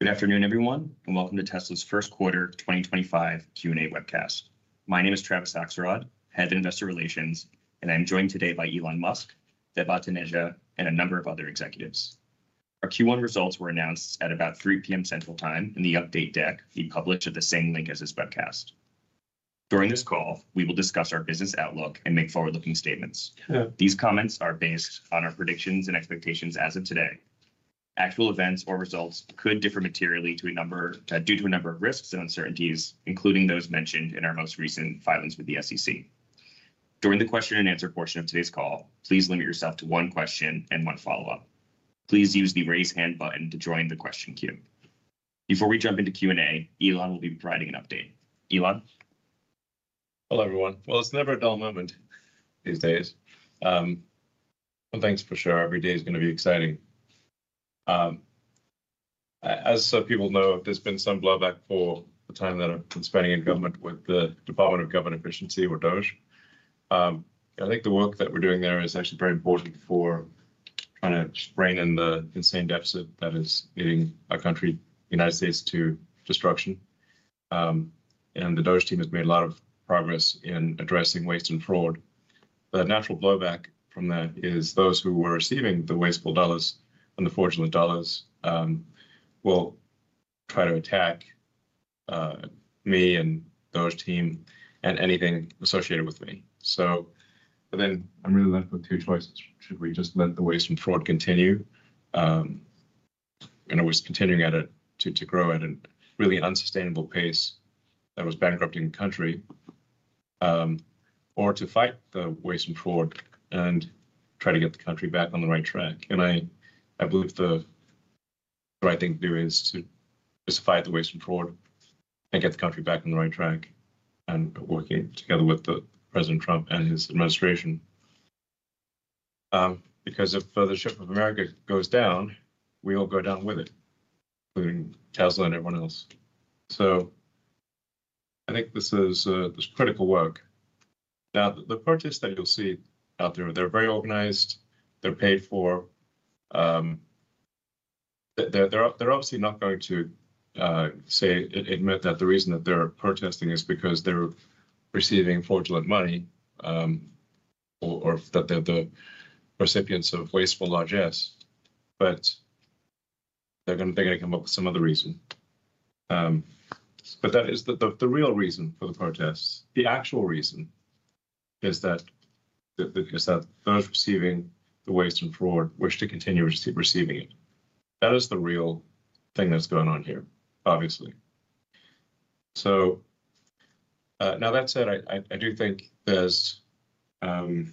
Good afternoon, everyone, and welcome to Tesla's first quarter 2025 Q&A webcast. My name is Travis Axelrod, Head of Investor Relations, and I'm joined today by Elon Musk, Vaibhav Taneja, and a number of other executives. Our Q1 results were announced at about 3:00 P.M. Central Time in the update deck we published at the same link as this webcast. During this call, we will discuss our business outlook and make forward-looking statements. These comments are based on our predictions and expectations as of today. Actual events or results could differ materially due to a number of risks and uncertainties, including those mentioned in our most recent filings with the SEC. During the question-and-answer portion of today's call, please limit yourself to one question and one follow-up. Please use the raise hand button to join the question queue. Before we jump into Q&A, Elon will be providing an update. Elon? Hello, everyone. It's never a dull moment these days. Thanks, for sure. Every day is going to be exciting. As some people know, there's been some blowback for the time that I've been spending in government with the Department of Government Efficiency, or DOGE. I think the work that we're doing there is actually very important for trying to rein in the insane deficit that is leading our country, the United States, to destruction. The DOGE team has made a lot of progress in addressing waste and fraud. The natural blowback from that is those who were receiving the wasteful dollars and the fraudulent dollars will try to attack me and the DOGE team and anything associated with me. I'm really left with two choices. Should we just let the waste and fraud continue, and always continuing at it to grow at a really unsustainable pace that was bankrupting the country, or to fight the waste and fraud and try to get the country back on the right track? I believe the right thing to do is to just fight the waste and fraud and get the country back on the right track and working together with President Trump and his administration. Because if the ship of America goes down, we all go down with it, including Tesla and everyone else. I think this is critical work. The protesters that you'll see out there, they're very organized. They're paid for. They're obviously not going to say, admit that the reason that they're protesting is because they're receiving fraudulent money or that they're the recipients of wasteful largesse, but they're going to come up with some other reason. That is the real reason for the protests. The actual reason is that those receiving the waste and fraud wish to continue receiving it. That is the real thing that's going on here, obviously. Now, that said, I do think there's the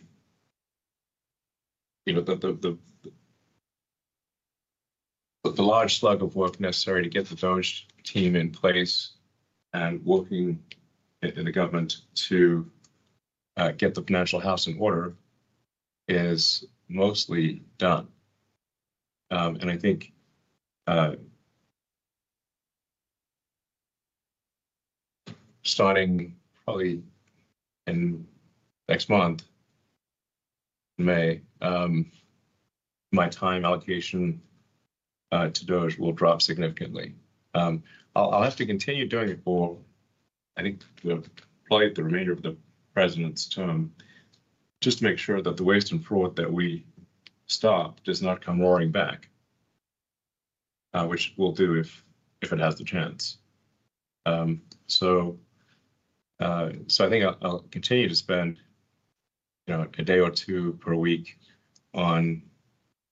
large slug of work necessary to get the DOGE team in place and working in the government to get the financial house in order is mostly done. I think starting probably next month, May, my time allocation to DOGE will drop significantly. I'll have to continue doing it for, I think, probably the remainder of the president's term just to make sure that the waste and fraud that we stop does not come roaring back, which it will do if it has the chance. I think I'll continue to spend a day or two per week on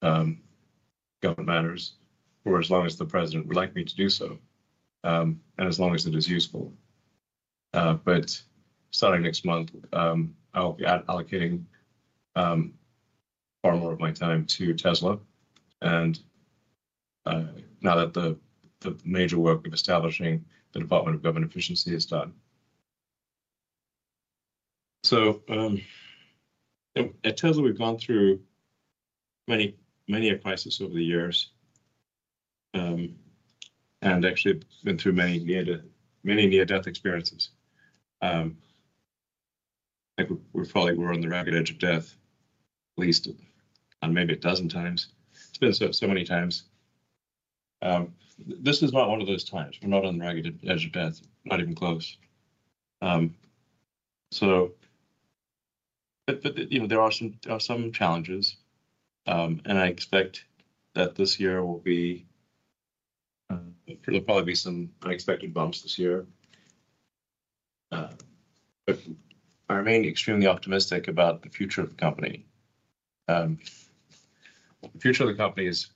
government matters for as long as the president would like me to do so and as long as it is useful. Starting next month, I'll be allocating far more of my time to Tesla now that the major work of establishing the Department of Government Efficiency is done. At Tesla, we've gone through many crises over the years and actually been through many near-death experiences. We probably were on the ragged edge of death at least maybe a dozen times. It's been so many times. This is not one of those times. We're not on the ragged edge of death, not even close. There are some challenges, and I expect that this year will be there'll probably be some unexpected bumps this year. I remain extremely optimistic about the future of the company. The future of the company is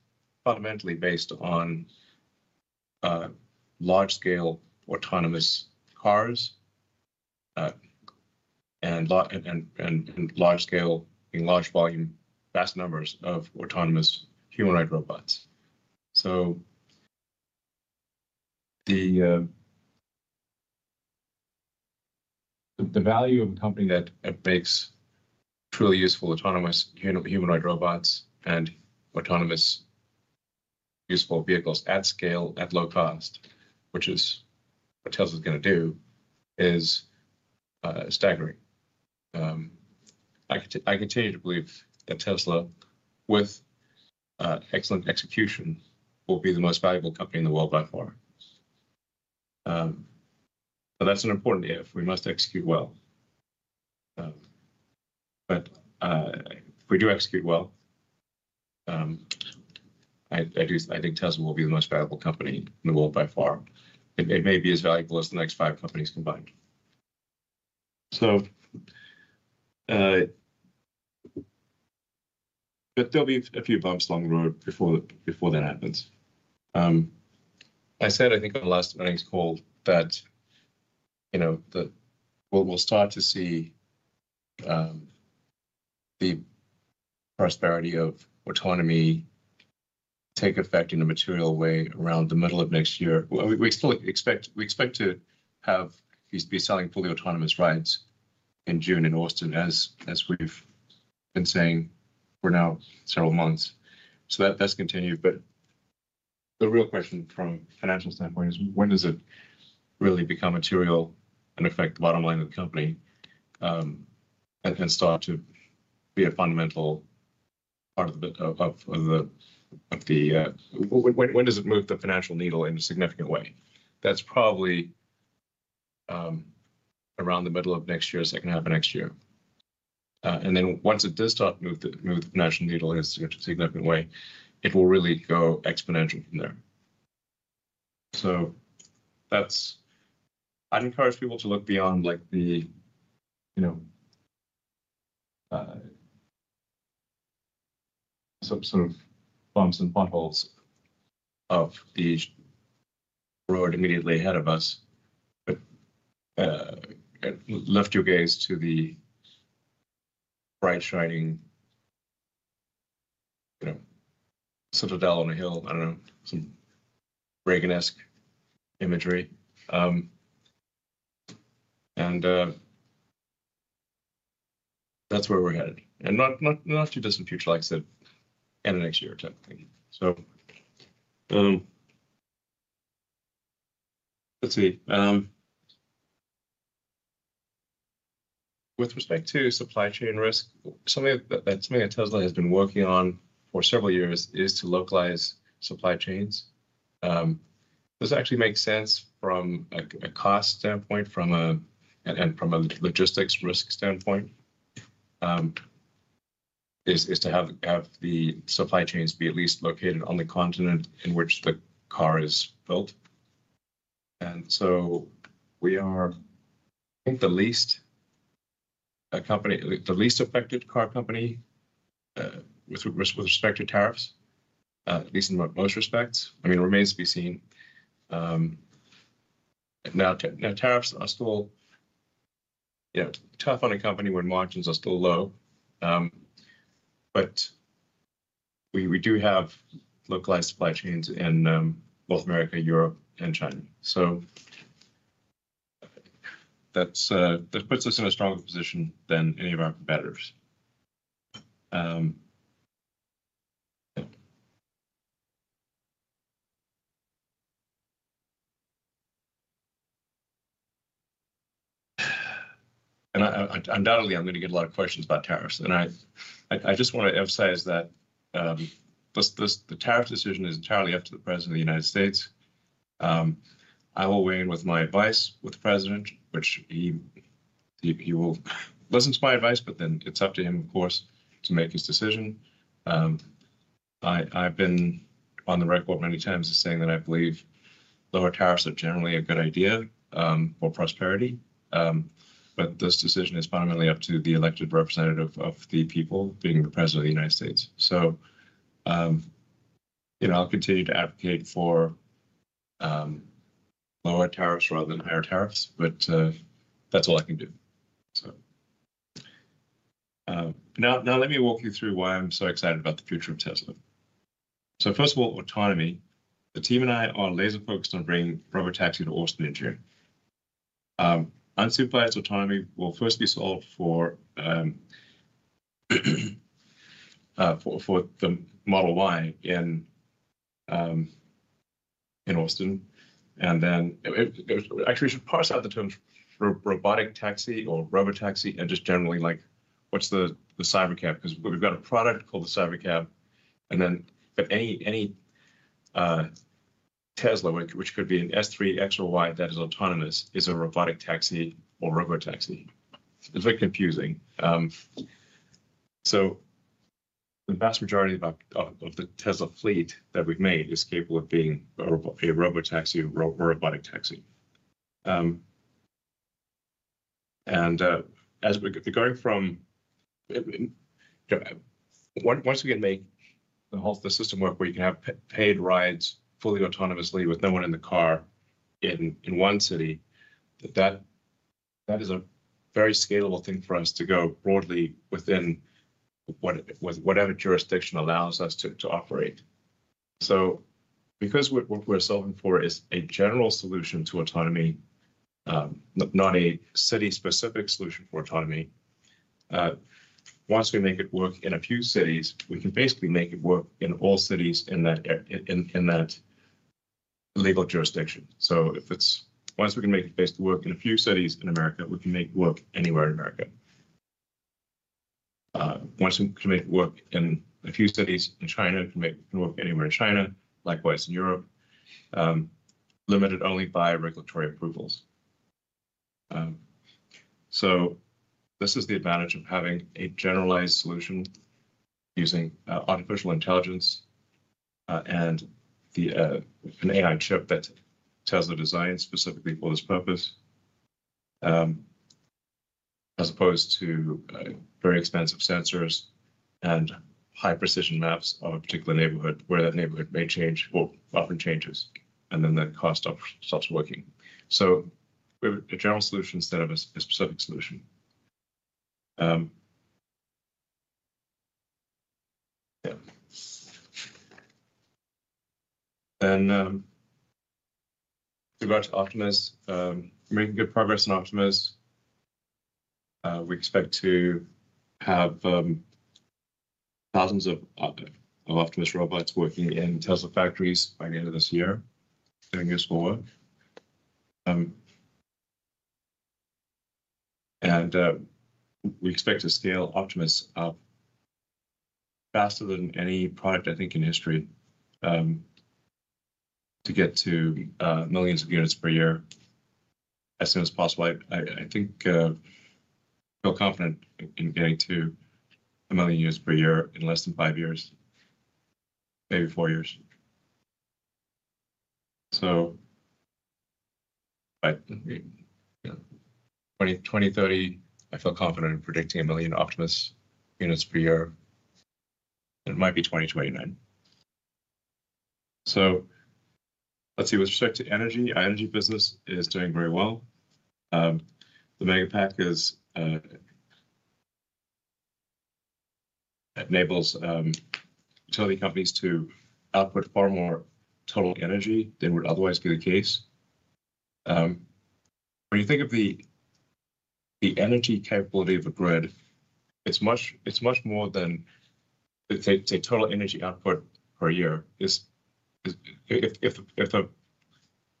fundamentally based on large-scale autonomous cars and large-scale, large-volume, vast numbers of autonomous human-like robots. The value of a company that makes truly useful autonomous human-like robots and autonomous useful vehicles at scale, at low cost, which is what Tesla is going to do, is staggering. I continue to believe that Tesla, with excellent execution, will be the most valuable company in the world by far. That's an important if. We must execute well. If we do execute well, I think Tesla will be the most valuable company in the world by far. It may be as valuable as the next five companies combined. There will be a few bumps along the road before that happens. I said, I think, on the last earnings call that we'll start to see the prosperity of autonomy take effect in a material way around the middle of next year. We expect to have these be selling fully autonomous rides in June in Austin, as we've been saying for now several months. That has continued. The real question from a financial standpoint is, when does it really become material and affect the bottom line of the company and start to be a fundamental part of the, when does it move the financial needle in a significant way? That is probably around the middle of next year, second half of next year. Once it does start to move the financial needle in a significant way, it will really go exponential from there. I'd encourage people to look beyond the sort of bumps and potholes of the road immediately ahead of us, but lift your gaze to the bright, shining citadel on a hill, I don't know, some Reagan-esque imagery. That's where we're headed. In the not too distant future, like I said, end of next year type of thing. Let's see. With respect to supply chain risk, something that Tesla has been working on for several years is to localize supply chains. This actually makes sense from a cost standpoint and from a logistics risk standpoint, to have the supply chains be at least located on the continent in which the car is built. We are, I think, the least affected car company with respect to tariffs, at least in most respects. I mean, remains to be seen. Tariffs are still tough on a company when margins are still low. We do have localized supply chains in North America, Europe, and China. That puts us in a stronger position than any of our competitors. Undoubtedly, I'm going to get a lot of questions about tariffs. I just want to emphasize that the tariff decision is entirely up to the President of the United States. I will weigh in with my advice with the President, which he will listen to my advice, but then it's up to him, of course, to make his decision. I've been on the record many times saying that I believe lower tariffs are generally a good idea for prosperity. This decision is fundamentally up to the elected representative of the people, being the President of the United States. I'll continue to advocate for lower tariffs rather than higher tariffs, but that's all I can do. Let me walk you through why I'm so excited about the future of Tesla. First of all, autonomy. The team and I are laser-focused on bringing robotaxi to Austin in June. Unsupervised autonomy will first be solved for the Model Y in Austin. Actually, we should parse out the terms robotic taxi or robotaxi and just generally what's the CyberCab, because we've got a product called the CyberCab. Any Tesla, which could be an S, 3, X, or Y that is autonomous, is a robotic taxi or robotaxi. It's a bit confusing. The vast majority of the Tesla fleet that we've made is capable of being a robotaxi or a robotic taxi. Once we can make the system work where you can have paid rides fully autonomously with no one in the car in one city, that is a very scalable thing for us to go broadly within whatever jurisdiction allows us to operate. Because what we're solving for is a general solution to autonomy, not a city-specific solution for autonomy, once we make it work in a few cities, we can basically make it work in all cities in that legal jurisdiction. Once we can make it work in a few cities in America, we can make it work anywhere in America. Once we can make it work in a few cities in China, we can make it work anywhere in China, likewise in Europe, limited only by regulatory approvals. This is the advantage of having a generalized solution using artificial intelligence and an AI chip that Tesla designed specifically for this purpose, as opposed to very expensive sensors and high-precision maps of a particular neighborhood where that neighborhood may change or often changes, and then the cost stops working. We have a general solution instead of a specific solution. With regards to Optimus, we're making good progress in Optimus. We expect to have thousands of Optimus robots working in Tesla factories by the end of this year, doing useful work. We expect to scale Optimus faster than any product, I think, in history to get to millions of units per year, as soon as possible. I think I feel confident in getting to a million units per year in less than five years, maybe four years. By 2030, I feel confident in predicting a million Optimus units per year. It might be 2029. Let's see. With respect to energy, our energy business is doing very well. The Megapack enables utility companies to output far more total energy than would otherwise be the case. When you think of the energy capability of a grid, it's much more than the total energy output per year. If the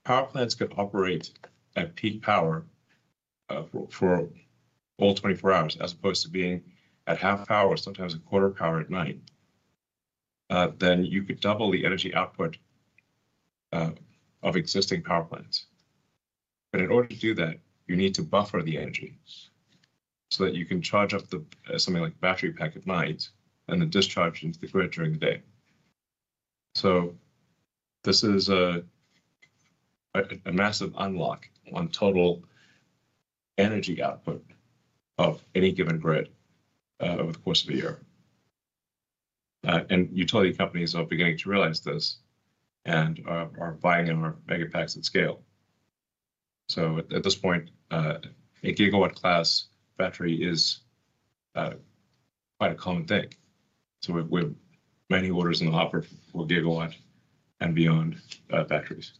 power plants could operate at peak power for all 24 hours as opposed to being at half power or sometimes a quarter power at night, you could double the energy output of existing power plants. In order to do that, you need to buffer the energy so that you can charge up something like a battery pack at night and then discharge into the grid during the day. This is a massive unlock on total energy output of any given grid over the course of a year. Utility companies are beginning to realize this and are buying in our Megapacks at scale. At this point, a gigawatt-class battery is quite a common thing. We have many orders in the offer for gigawatt and beyond batteries.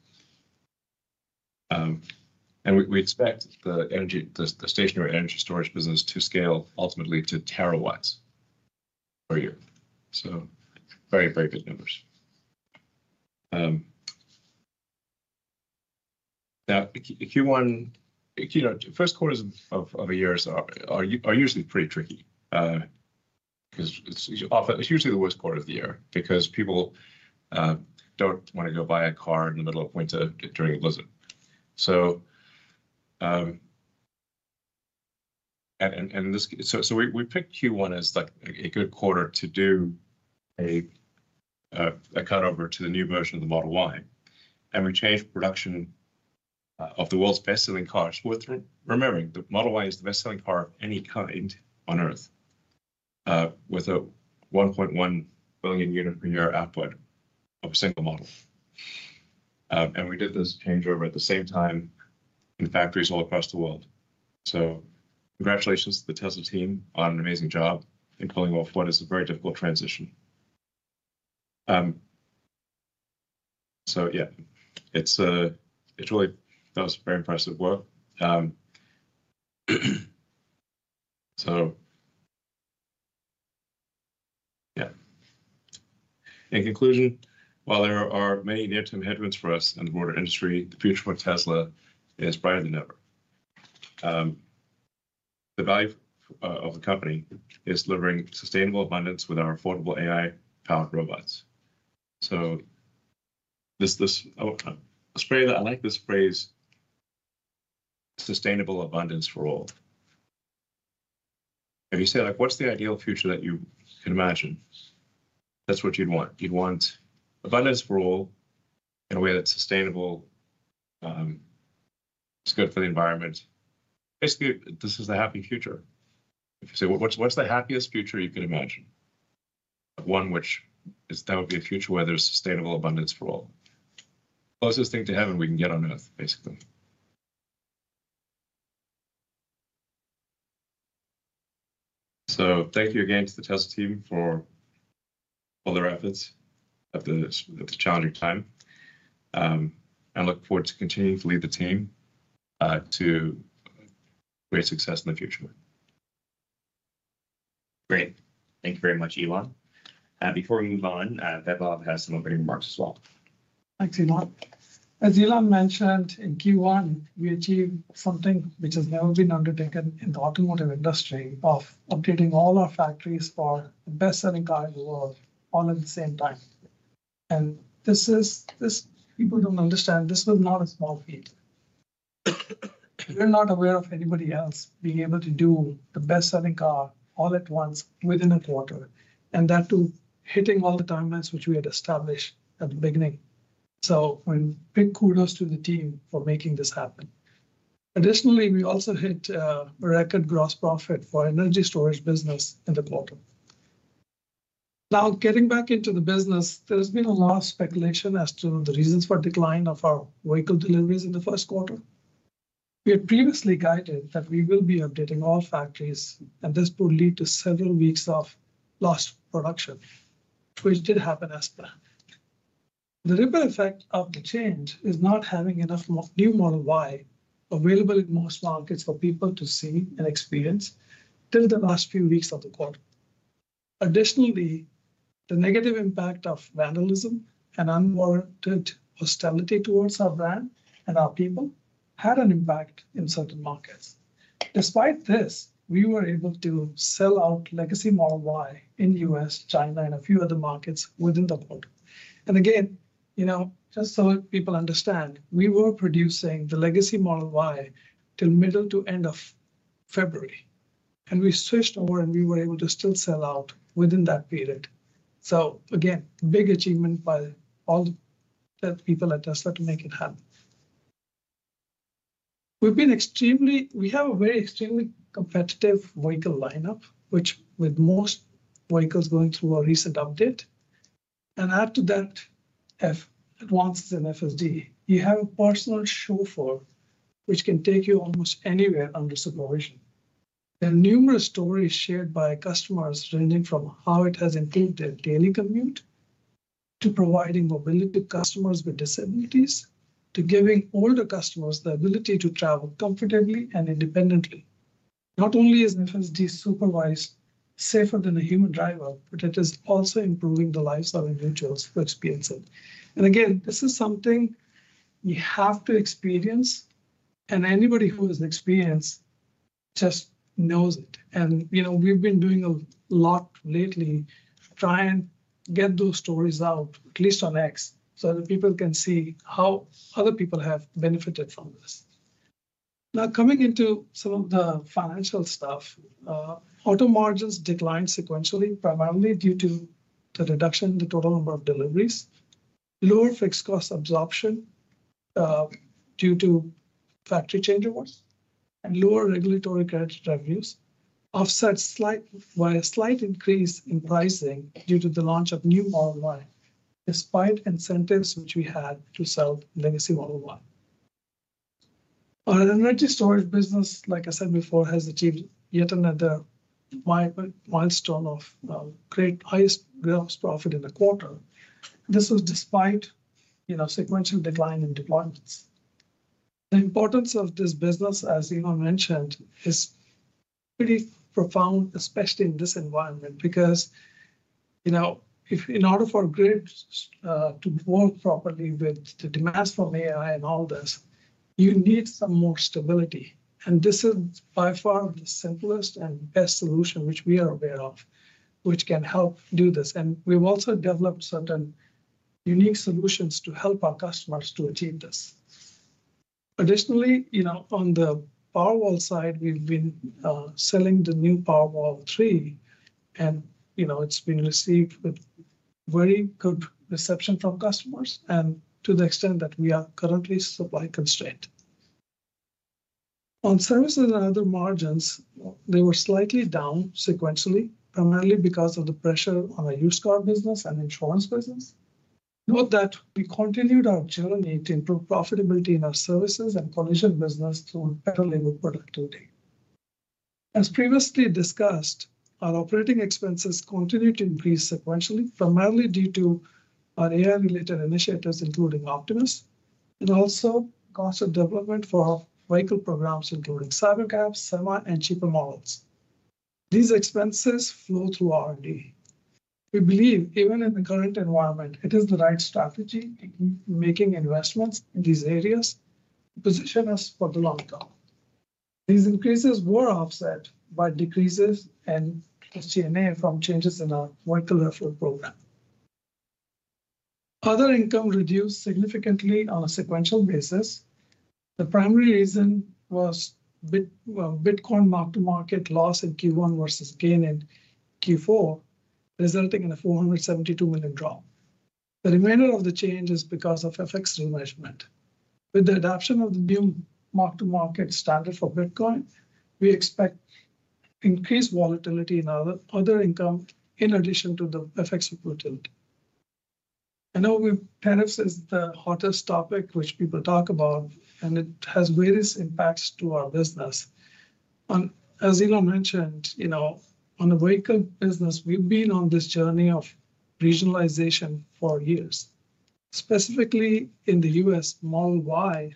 We expect the stationary energy storage business to scale ultimately to terawatts per year. Very, very good numbers. Now, the first quarters of a year are usually pretty tricky because it's usually the worst quarter of the year because people don't want to go buy a car in the middle of winter during a blizzard. We picked Q1 as a good quarter to do a cutover to the new version of the Model Y. We changed production of the world's best-selling cars, remembering the Model Y is the best-selling car of any kind on Earth, with a 1.1 million unit per year output of a single model. We did this changeover at the same time in factories all across the world. Congratulations to the Tesla team on an amazing job in pulling off what is a very difficult transition. It's really very impressive work. Yeah. In conclusion, while there are many near-term headwinds for us in the motor industry, the future for Tesla is brighter than ever. The value of the company is delivering sustainable abundance with our affordable AI-powered robots. I like this phrase, sustainable abundance for all. If you say, "What's the ideal future that you can imagine?" That's what you'd want. You'd want abundance for all in a way that's sustainable, it's good for the environment. Basically, this is the happy future. If you say, "What's the happiest future you can imagine?" One that would be a future where there's sustainable abundance for all. Closest thing to heaven we can get on Earth, basically. Thank you again to the Tesla team for all their efforts at this challenging time. I look forward to continuing to lead the team to great success in the future. Great. Thank you very much, Elon. Before we move on, Vaibhav has some opening remarks as well. Thanks, Elon. As Elon mentioned, in Q1, we achieved something which has never been undertaken in the automotive industry of updating all our factories for the best-selling car in the world all at the same time. People don't understand this was not a small feat. We're not aware of anybody else being able to do the best-selling car all at once within a quarter, and that too hitting all the timelines which we had established at the beginning. Big kudos to the team for making this happen. Additionally, we also hit a record gross profit for our energy storage business in the quarter. Now, getting back into the business, there has been a lot of speculation as to the reasons for decline of our vehicle deliveries in the first quarter. We had previously guided that we will be updating all factories, and this would lead to several weeks of lost production, which did happen as planned. The ripple effect of the change is not having enough new Model Y available in most markets for people to see and experience till the last few weeks of the quarter. Additionally, the negative impact of vandalism and unwarranted hostility towards our brand and our people had an impact in certain markets. Despite this, we were able to sell out legacy Model Y in the U.S., China, and a few other markets within the quarter. Just so people understand, we were producing the legacy Model Y till middle to end of February. We switched over, and we were able to still sell out within that period. Big achievement by all the people at Tesla to make it happen. We have a very extremely competitive vehicle lineup, which with most vehicles going through a recent update. Add to that advances in FSD, you have a personal chauffeur which can take you almost anywhere under supervision. There are numerous stories shared by customers ranging from how it has improved their daily commute to providing mobility to customers with disabilities to giving older customers the ability to travel comfortably and independently. Not only is FSD supervised safer than a human driver, but it is also improving the lives of individuals who experience it. This is something you have to experience, and anybody who has experienced just knows it. We have been doing a lot lately, trying to get those stories out, at least on X, so that people can see how other people have benefited from this. Now, coming into some of the financial stuff, auto margins declined sequentially, primarily due to the reduction in the total number of deliveries, lower fixed cost absorption due to factory changeovers, and lower regulatory credit revenues offset by a slight increase in pricing due to the launch of new Model Y, despite incentives which we had to sell legacy Model Y. Our energy storage business, like I said before, has achieved yet another milestone of highest gross profit in the quarter. This was despite sequential decline in deployments. The importance of this business, as Elon mentioned, is pretty profound, especially in this environment, because in order for grids to work properly with the demands from AI and all this, you need some more stability. This is by far the simplest and best solution which we are aware of, which can help do this. We have also developed certain unique solutions to help our customers to achieve this. Additionally, on the Powerwall side, we have been selling the new Powerwall 3, and it has been received with very good reception from customers and to the extent that we are currently supply constrained. On services and other margins, they were slightly down sequentially, primarily because of the pressure on our used car business and insurance business. Note that we continued our journey to improve profitability in our services and collision business through better labor productivity. As previously discussed, our operating expenses continued to increase sequentially, primarily due to our AI-related initiatives, including Optimus, and also cost of development for vehicle programs, including CyberCab, Semi, and cheaper models. These expenses flow through R&D. We believe, even in the current environment, it is the right strategy to keep making investments in these areas to position us for the long term. These increases were offset by decreases in SG&A from changes in our vehicle referral program. Other income reduced significantly on a sequential basis. The primary reason was Bitcoin mark-to-market loss in Q1 versus gain in Q4, resulting in a $472 million drop. The remainder of the change is because of FX remeasurement. With the adoption of the new mark-to-market standard for Bitcoin, we expect increased volatility in other income in addition to the FX liquidity. I know tariffs is the hottest topic which people talk about, and it has various impacts to our business. As Elon mentioned, on the vehicle business, we've been on this journey of regionalization for years. Specifically, in the U.S., Model Y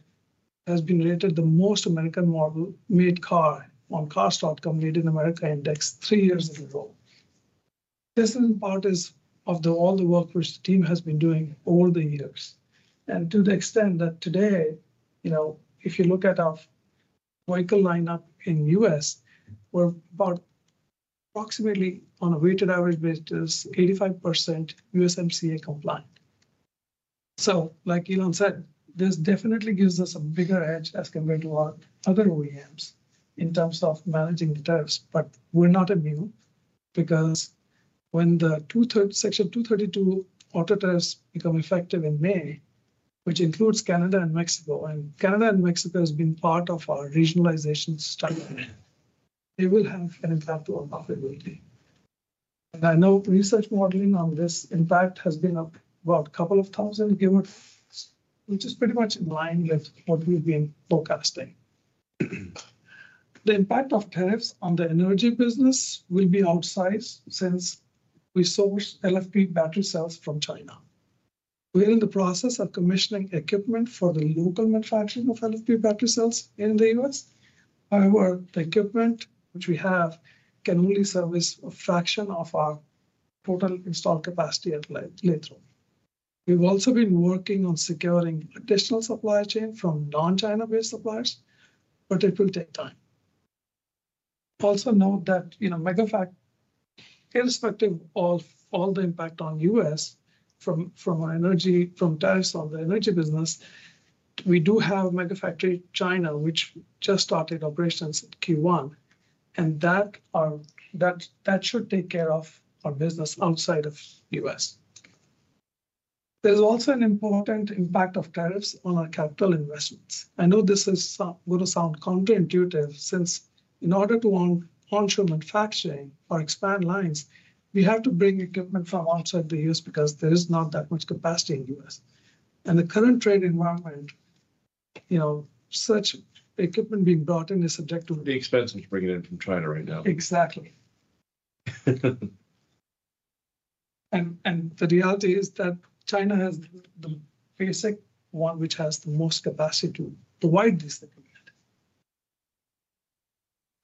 has been rated the most American-made car on Cars.com America-Made Index three years in a row. This is part of all the work which the team has been doing over the years. To the extent that today, if you look at our vehicle lineup in the U.S., we're approximately, on a weighted average basis, 85% USMCA compliant. Like Elon said, this definitely gives us a bigger edge as compared to our other OEMs in terms of managing the tariffs. We're not immune because when the Section 232 auto tariffs become effective in May, which includes Canada and Mexico, and Canada and Mexico have been part of our regionalization strategy, they will have an impact on profitability. I know research modeling on this impact has been about a couple of thousand gigawatts, which is pretty much in line with what we've been forecasting. The impact of tariffs on the energy business will be outsized since we source LFP battery cells from China. We're in the process of commissioning equipment for the local manufacturing of LFP battery cells in the U.S. However, the equipment which we have can only service a fraction of our total installed capacity later on. We've also been working on securing additional supply chain from non-China-based suppliers, but it will take time. Also note that Megafactory, irrespective of all the impact on the U.S. from tariffs on the energy business, we do have Megafactory China, which just started operations in Q1, and that should take care of our business outside of the U.S. There's also an important impact of tariffs on our capital investments. I know this is going to sound counterintuitive since in order to onshore manufacturing or expand lines, we have to bring equipment from outside the U.S. because there is not that much capacity in the U.S. In the current trade environment, such equipment being brought in is subject to the expenses bringing in from China right now. Exactly. The reality is that China has the basic one which has the most capacity to provide this equipment.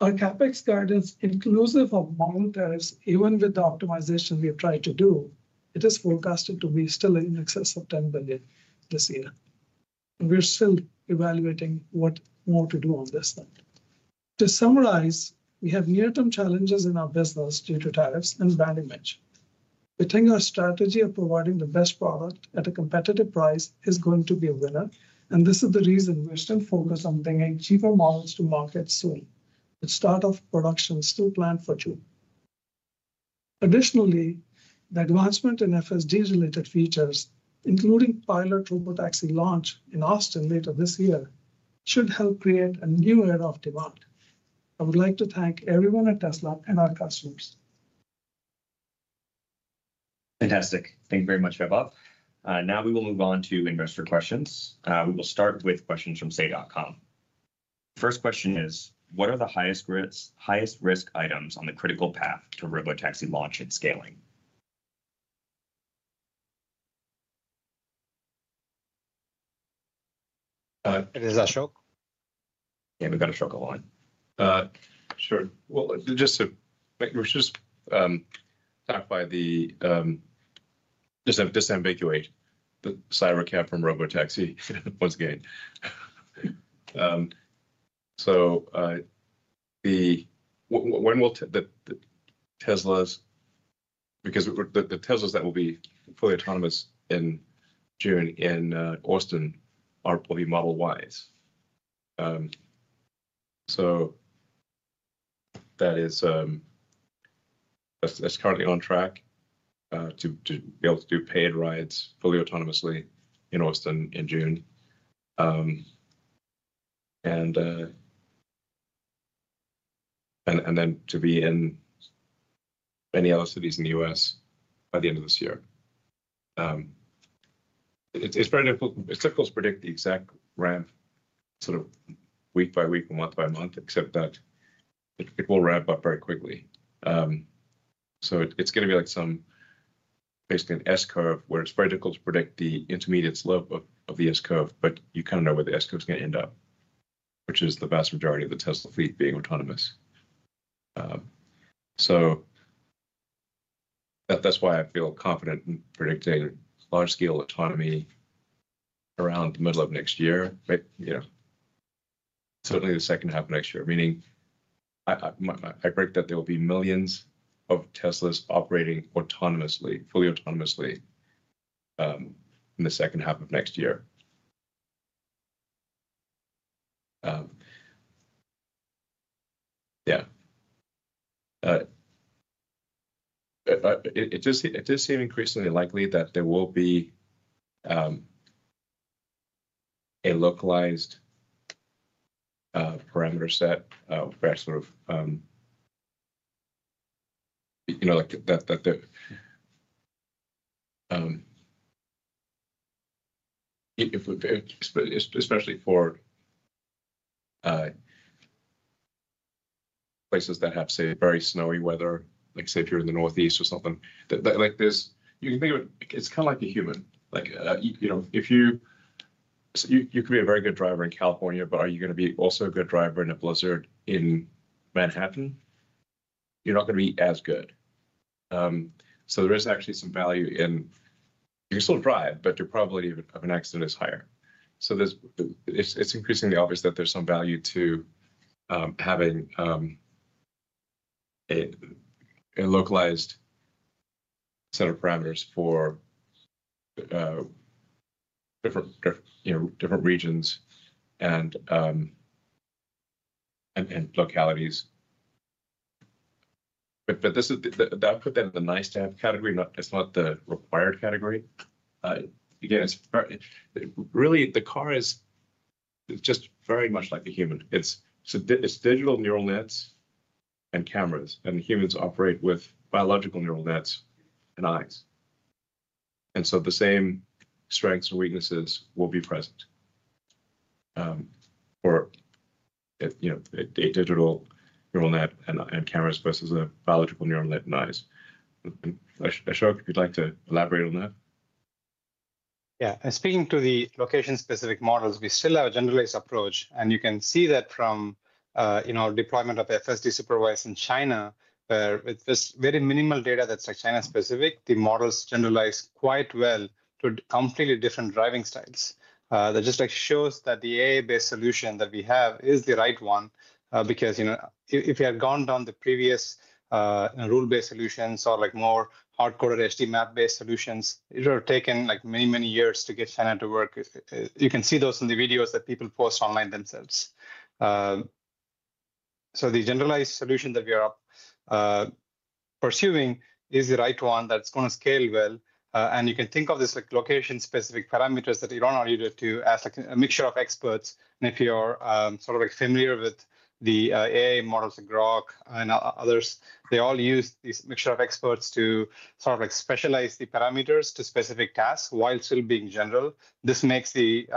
Our CapEx guidance, inclusive of model tariffs, even with the optimization we have tried to do, is forecasted to be still in excess of $10 billion this year. We're still evaluating what more to do on this side. To summarize, we have near-term challenges in our business due to tariffs and bad image. We think our strategy of providing the best product at a competitive price is going to be a winner. This is the reason we're still focused on bringing cheaper models to market soon. The start of production is still planned for June. Additionally, the advancement in FSD-related features, including pilot Robotaxi launch in Austin later this year, should help create a new era of demand. I would like to thank everyone at Tesla and our customers. Fantastic. Thank you very much, Vaibhav. Now we will move on to investor questions. We will start with questions from saytechnologies.com. First question is, what are the highest risk items on the critical path to Robotaxi launch and scaling? It is Ashok. Yeah, we've got Ashok on the line. Sure. Just to back, we're just stopped by the just to ambiguate the CyberCab from Robotaxi once again. When will the Teslas, because the Teslas that will be fully autonomous in June in Austin will be Model Ys. That is currently on track to be able to do paid rides fully autonomously in Austin in June. Then to be in many other cities in the U.S. by the end of this year. It's difficult to predict the exact ramp sort of week by week and month by month, except that it will ramp up very quickly. It's going to be like basically an S curve where it's very difficult to predict the intermediate slope of the S curve, but you kind of know where the S curve is going to end up, which is the vast majority of the Tesla fleet being autonomous. That's why I feel confident in predicting large-scale autonomy around the middle of next year, certainly the second half of next year. Meaning, I predict that there will be millions of Teslas operating fully autonomously in the second half of next year. Yeah. It does seem increasingly likely that there will be a localized parameter set for sort of especially for places that have, say, very snowy weather, like say if you're in the northeast or something. You can think of it, it's kind of like a human. If you can be a very good driver in California, but are you going to be also a good driver in a blizzard in Manhattan? You're not going to be as good. There is actually some value in you can still drive, but your probability of an accident is higher. It's increasingly obvious that there's some value to having a localized set of parameters for different regions and localities. That put that in the nice-to-have category. It's not the required category. Again, really, the car is just very much like a human. It's digital neural nets and cameras, and humans operate with biological neural nets and eyes. The same strengths and weaknesses will be present for a digital neural net and cameras versus a biological neural net and eyes. Ashok, if you'd like to elaborate on that. Yeah. Speaking to the location-specific models, we still have a generalized approach. You can see that from our deployment of FSD supervised in China, where with just very minimal data that's China-specific, the models generalize quite well to completely different driving styles. That just shows that the AI-based solution that we have is the right one because if you had gone down the previous rule-based solutions or more hardcoded HTML-based solutions, it would have taken many, many years to get China to work. You can see those in the videos that people post online themselves. The generalized solution that we are pursuing is the right one that's going to scale well. You can think of this location-specific parameters that Elon alluded to as a mixture of experts. If you're sort of familiar with the AI models like Grok and others, they all use this mixture of experts to sort of specialize the parameters to specific tasks while still being general. This makes the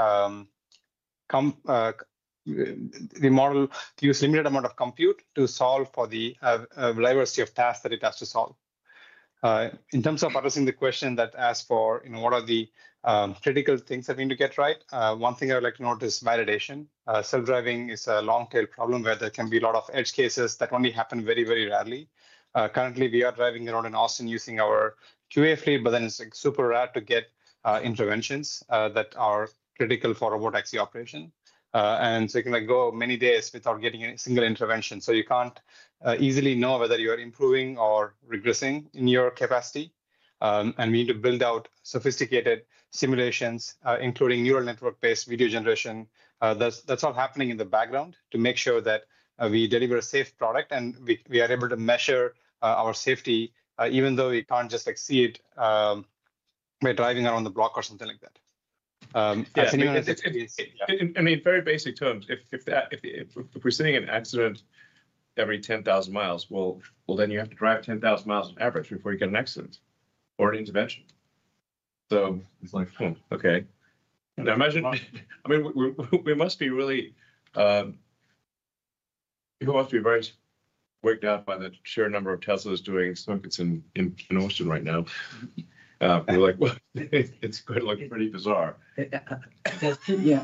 model use a limited amount of compute to solve for the diversity of tasks that it has to solve. In terms of addressing the question that asks for what are the critical things that need to get right, one thing I would like to note is validation. Self-driving is a long-tail problem where there can be a lot of edge cases that only happen very, very rarely. Currently, we are driving around in Austin using our QA fleet, but then it's super rare to get interventions that are critical for Robotaxi operation. You can go many days without getting a single intervention. You can't easily know whether you are improving or regressing in your capacity. We need to build out sophisticated simulations, including neural network-based video generation. That's all happening in the background to make sure that we deliver a safe product and we are able to measure our safety, even though we can't just see it by driving around the block or something like that. I mean, very basic terms. If we're seeing an accident every 10,000 miles, well, then you have to drive 10,000 miles on average before you get an accident or an intervention. It's like, okay. I mean, people must be very worried now by the sheer number of Teslas doing circuits in Austin right now. We're like, it's going to look pretty bizarre. Yeah.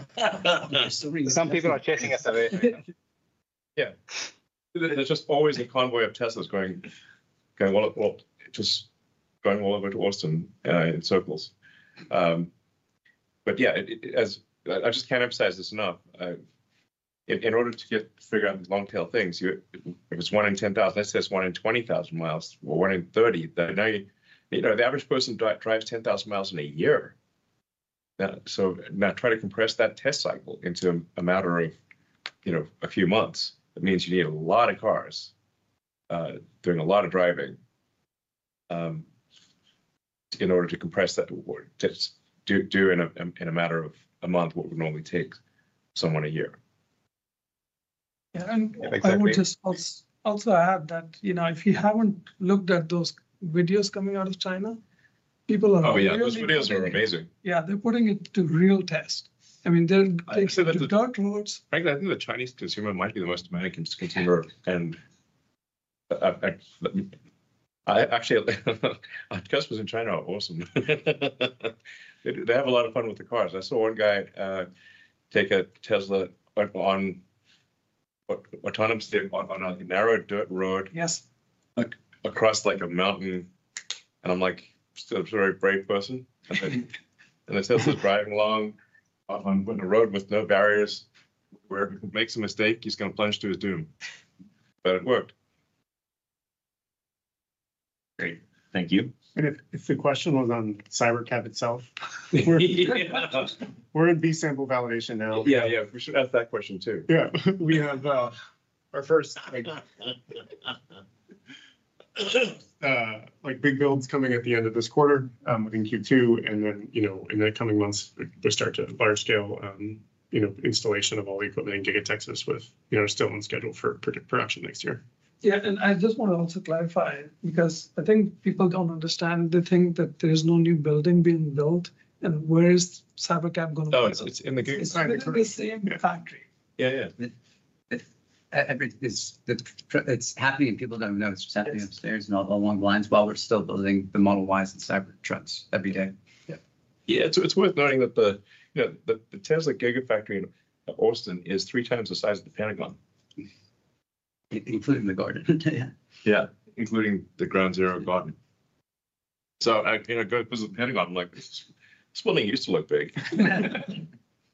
Some people are chasing us away. Yeah. There's just always a convoy of Teslas going all over to Austin in circles. I just can't emphasize this enough. In order to figure out long-tail things, if it's 1 in 10,000, let's say it's 1 in 20,000 miles or 1 in 30, then the average person drives 10,000 miles in a year. Now try to compress that test cycle into a matter of a few months. That means you need a lot of cars doing a lot of driving in order to compress that or do in a matter of a month what would normally take someone a year. I would just also add that if you haven't looked at those videos coming out of China, people are really —oh yeah, those videos are amazing. They're putting it to real test. I mean, they're taking the dirt roads. Frankly, I think the Chinese consumer might be the most demanding consumer. Actually, our customers in China are awesome. They have a lot of fun with the cars. I saw one guy take a Tesla autonomously on a narrow dirt road across a mountain. I'm like, "I'm still a very brave person." The Tesla's driving along on a road with no barriers. Wherever he makes a mistake, he's going to plunge to his doom. It worked. Great. Thank you. If the question was on CyberCab itself, we're in B sample validation now. Yeah, yeah. We should ask that question too. We have our first big builds coming at the end of this quarter in Q2. In the coming months, we start large-scale installation of all the equipment in Giga Texas, still on schedule for production next year. Yeah. I just want to also clarify because I think people do not understand the thing that there is no new building being built. Where is CyberCab going to place? Oh, it is in the same factory. Yeah, yeah. It is happening. People do not even know it is just happening upstairs and along the lines while we are still building the Model Ys and Cybertrucks every day. Yeah. Yeah. It is worth noting that the Tesla Gigafactory in Austin is three times the size of the Pentagon, including the garden. Yeah. Yeah. Including the Ground Zero garden. I go to the Pentagon, I am like, "This building used to look big,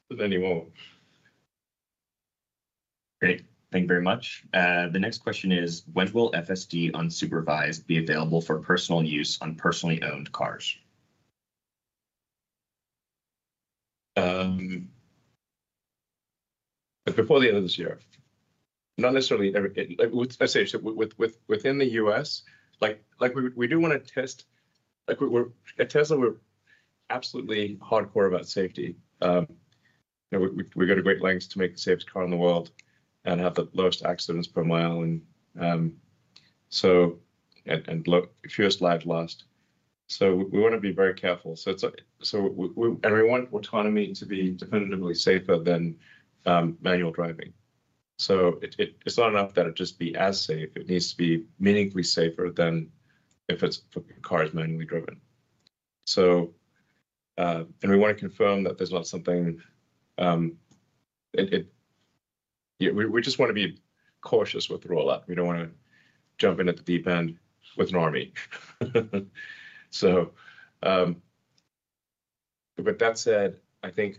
but then you will not." Great. Thank you very much. The next question is, when will FSD unsupervised be available for personal use on personally owned cars? Before the end of this year. Not necessarily every—let's say within the U.S., we do want to test. At Tesla, we're absolutely hardcore about safety. We go to great lengths to make the safest car in the world and have the lowest accidents per mile and fewest lives lost. We want to be very careful. We want autonomy to be definitively safer than manual driving. It's not enough that it just be as safe. It needs to be meaningfully safer than if it's cars manually driven. We want to confirm that. There's not something—we just want to be cautious with the rollout. We don't want to jump in at the deep end with an army. That said, I think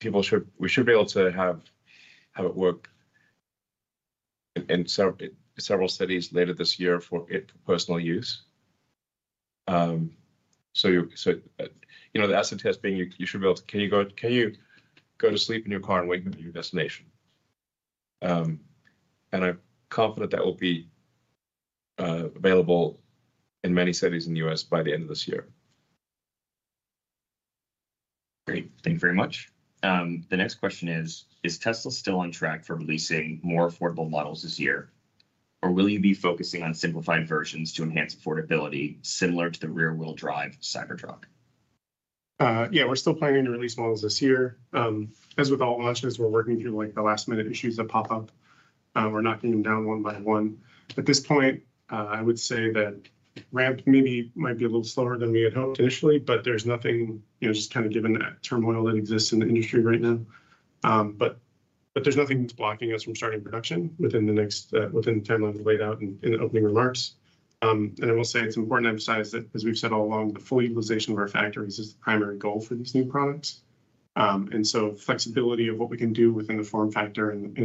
people should be able to have it work in several cities later this year for personal use. The asset test being, you should be able to—can you go to sleep in your car and wake up at your destination? I'm confident that will be available in many cities in the U.S. by the end of this year. Great. Thank you very much. The next question is, is Tesla still on track for releasing more affordable models this year, or will you be focusing on simplified versions to enhance affordability similar to the rear-wheel drive Cybertruck? Yeah. We're still planning to release models this year. As with all launches, we're working through the last-minute issues that pop up. We're knocking them down one by one. At this point, I would say that ramp maybe might be a little slower than we had hoped initially, but there's nothing just kind of given that turmoil that exists in the industry right now. There is nothing that's blocking us from starting production within the timeline we laid out in the opening remarks. I will say it's important to emphasize that, as we've said all along, the full utilization of our factories is the primary goal for these new products. Flexibility of what we can do within the form factor and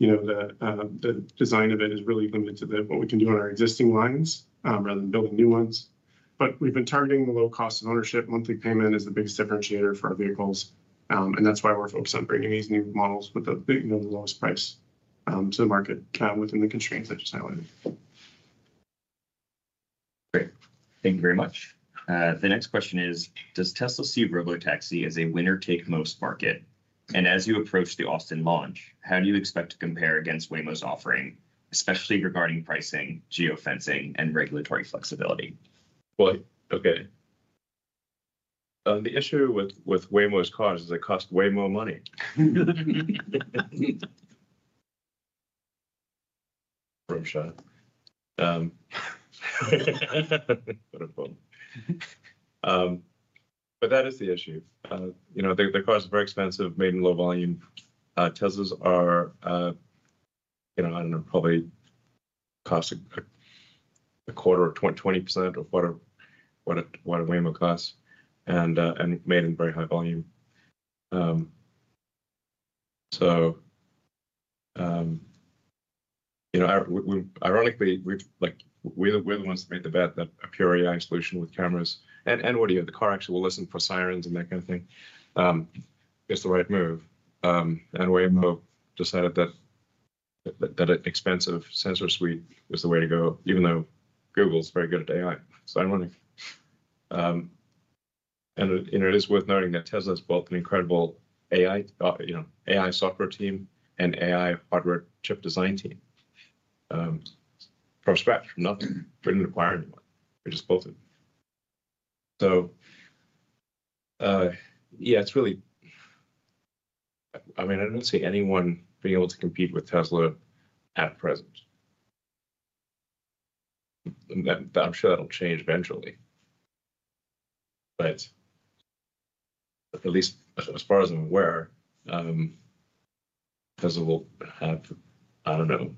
the design of it is really limited to what we can do on our existing lines rather than building new ones. We've been targeting the low cost of ownership. Monthly payment is the biggest differentiator for our vehicles. That's why we're focused on bringing these new models with the lowest price to the market within the constraints I just highlighted. Great. Thank you very much. The next question is, does Tesla see Robotaxi as a winner-take-most market? As you approach the Austin launch, how do you expect to compare against Waymo's offering, especially regarding pricing, geofencing, and regulatory flexibility? The issue with Waymo's cars is they cost way more money. That is the issue. Their cars are very expensive, made in low volume. Teslas are, I don't know, probably cost a quarter or 20% of what a Waymo costs and made in very high volume. Ironically, we're the ones that made the bet that a pure AI solution with cameras and audio, the car actually will listen for sirens and that kind of thing, is the right move. Waymo decided that an expensive sensor suite was the way to go, even though Google's very good at AI. Ironically. It is worth noting that Tesla's built an incredible AI software team and AI hardware chip design team from scratch, from nothing. We didn't acquire anyone. We just built it. Yeah, it's really—I mean, I don't see anyone being able to compete with Tesla at present. I'm sure that'll change eventually. At least as far as I'm aware, Tesla will have, I don't know,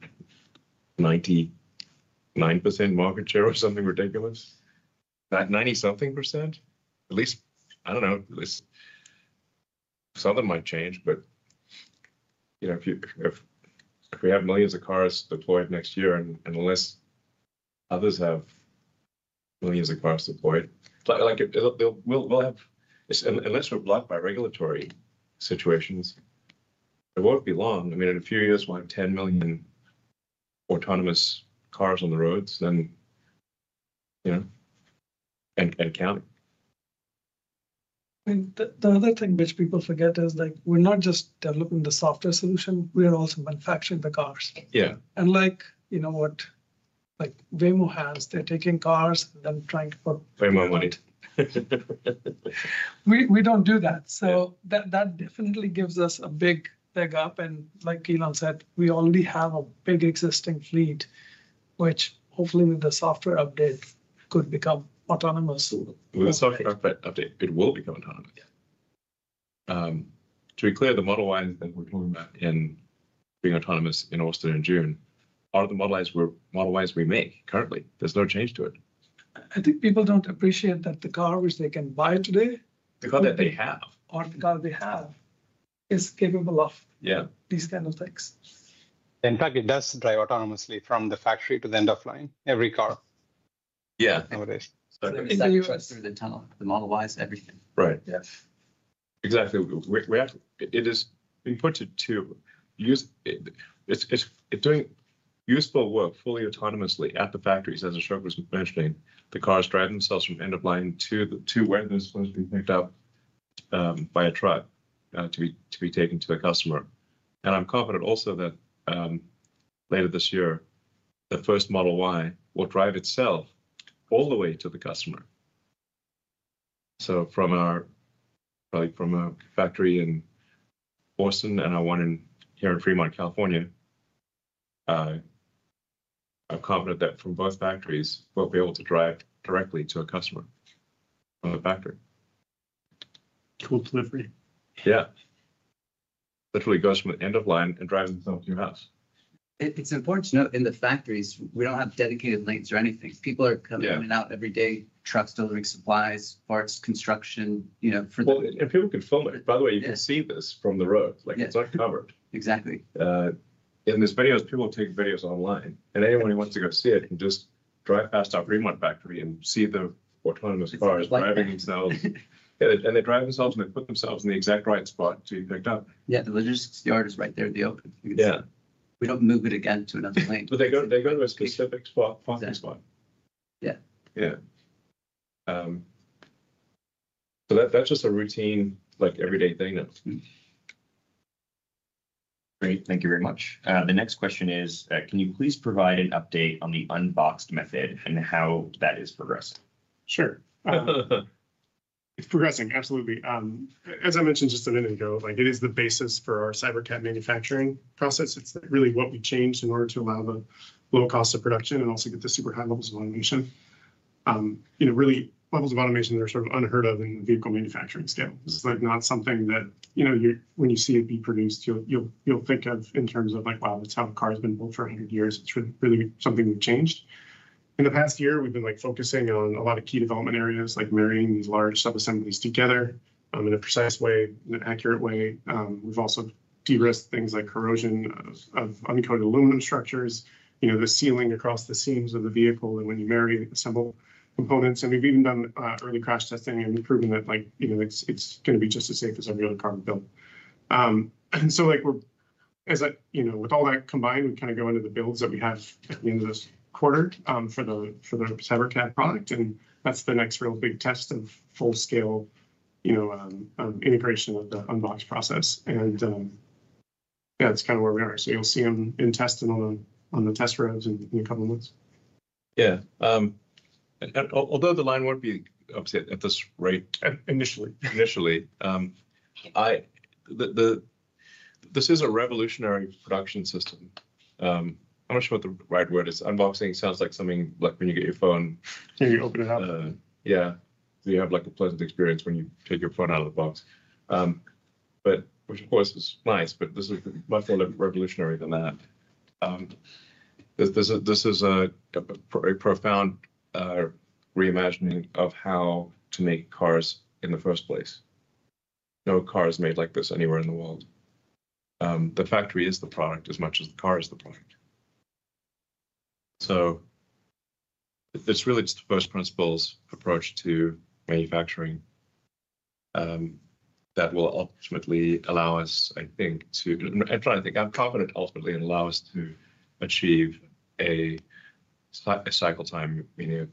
99% market share or something ridiculous. 90-something percent, at least. I don't know. Some of them might change, but if we have millions of cars deployed next year and unless others have millions of cars deployed, we'll have—unless we're blocked by regulatory situations, it won't be long. I mean, in a few years, we'll have 10 million autonomous cars on the roads and counting. The other thing which people forget is we're not just developing the software solution. We are also manufacturing the cars. Like what Waymo has, they're taking cars and then trying to put Waymo money. We don't do that. That definitely gives us a big leg up. Like Elon said, we already have a big existing fleet, which hopefully with the software update could become autonomous soon. With the software update, it will become autonomous. To be clear, the Model Ys that we're talking about in being autonomous in Austin in June are the Model Ys we make currently. There's no change to it. I think people don't appreciate that the car which they can buy today— the car that they have— or the car they have is capable of these kinds of things. In fact, it does drive autonomously from the factory to the end of line, every car. Yeah. It's like a truck through the tunnel. The Model Ys, everything. Right. Yeah. Exactly. It is inputted to use. It's doing useful work fully autonomously at the factories, as Ashok was mentioning. The cars drive themselves from end of line to where they're supposed to be picked up by a truck to be taken to a customer. I'm confident also that later this year, the first Model Y will drive itself all the way to the customer. From our factory in Austin and our one here in Fremont, California, I'm confident that from both factories, we'll be able to drive directly to a customer from the factory. Tool delivery. Yeah. Literally goes from the end of line and drives itself to your house. It's important to note in the factories, we don't have dedicated lanes or anything. People are coming in and out every day, trucks delivering supplies, parts, construction. People can film it. By the way, you can see this from the road. It's uncovered. Exactly. There are videos. People take videos online. Anyone who wants to go see it can just drive past our Fremont factory and see the autonomous cars driving themselves. They drive themselves and they put themselves in the exact right spot to be picked up. Yeah. The logistics yard is right there in the open. You can see it. We do not move it again to another lane. They go to a specific parking spot. Yeah. Yeah. That is just a routine, everyday thing that is great. Thank you very much. The next question is, can you please provide an update on the unboxed method and how that is progressing? Sure. It is progressing. Absolutely. As I mentioned just a minute ago, it is the basis for our CyberCab manufacturing process. It's really what we changed in order to allow the low cost of production and also get the super high levels of automation. Really, levels of automation that are sort of unheard of in the vehicle manufacturing scale. This is not something that when you see it be produced, you'll think of in terms of, "Wow, that's how a car has been built for 100 years." It's really something we've changed. In the past year, we've been focusing on a lot of key development areas, like marrying these large sub-assemblies together in a precise way, in an accurate way. We've also de-risked things like corrosion of uncoated aluminum structures, the sealing across the seams of the vehicle when you marry assembled components. We've even done early crash testing and proven that it's going to be just as safe as every other car we've built. With all that combined, we kind of go into the builds that we have at the end of this quarter for the CyberCab product. That is the next real big test of full-scale integration of the unboxed process. Yeah, that is kind of where we are. You will see them in test and on the test roads in a couple of months. Yeah. Although the line will not be upset at this rate. Initially. Initially. This is a revolutionary production system. I am not sure what the right word is. Unboxing sounds like something like when you get your phone. Yeah. You open it up. Yeah. You have a pleasant experience when you take your phone out of the box, which, of course, is nice, but this is much more revolutionary than that. This is a profound reimagining of how to make cars in the first place. No car is made like this anywhere in the world. The factory is the product as much as the car is the product. It is really just the first principles approach to manufacturing that will ultimately allow us, I think, to—I'm trying to think. I'm confident ultimately it'll allow us to achieve a cycle time, meaning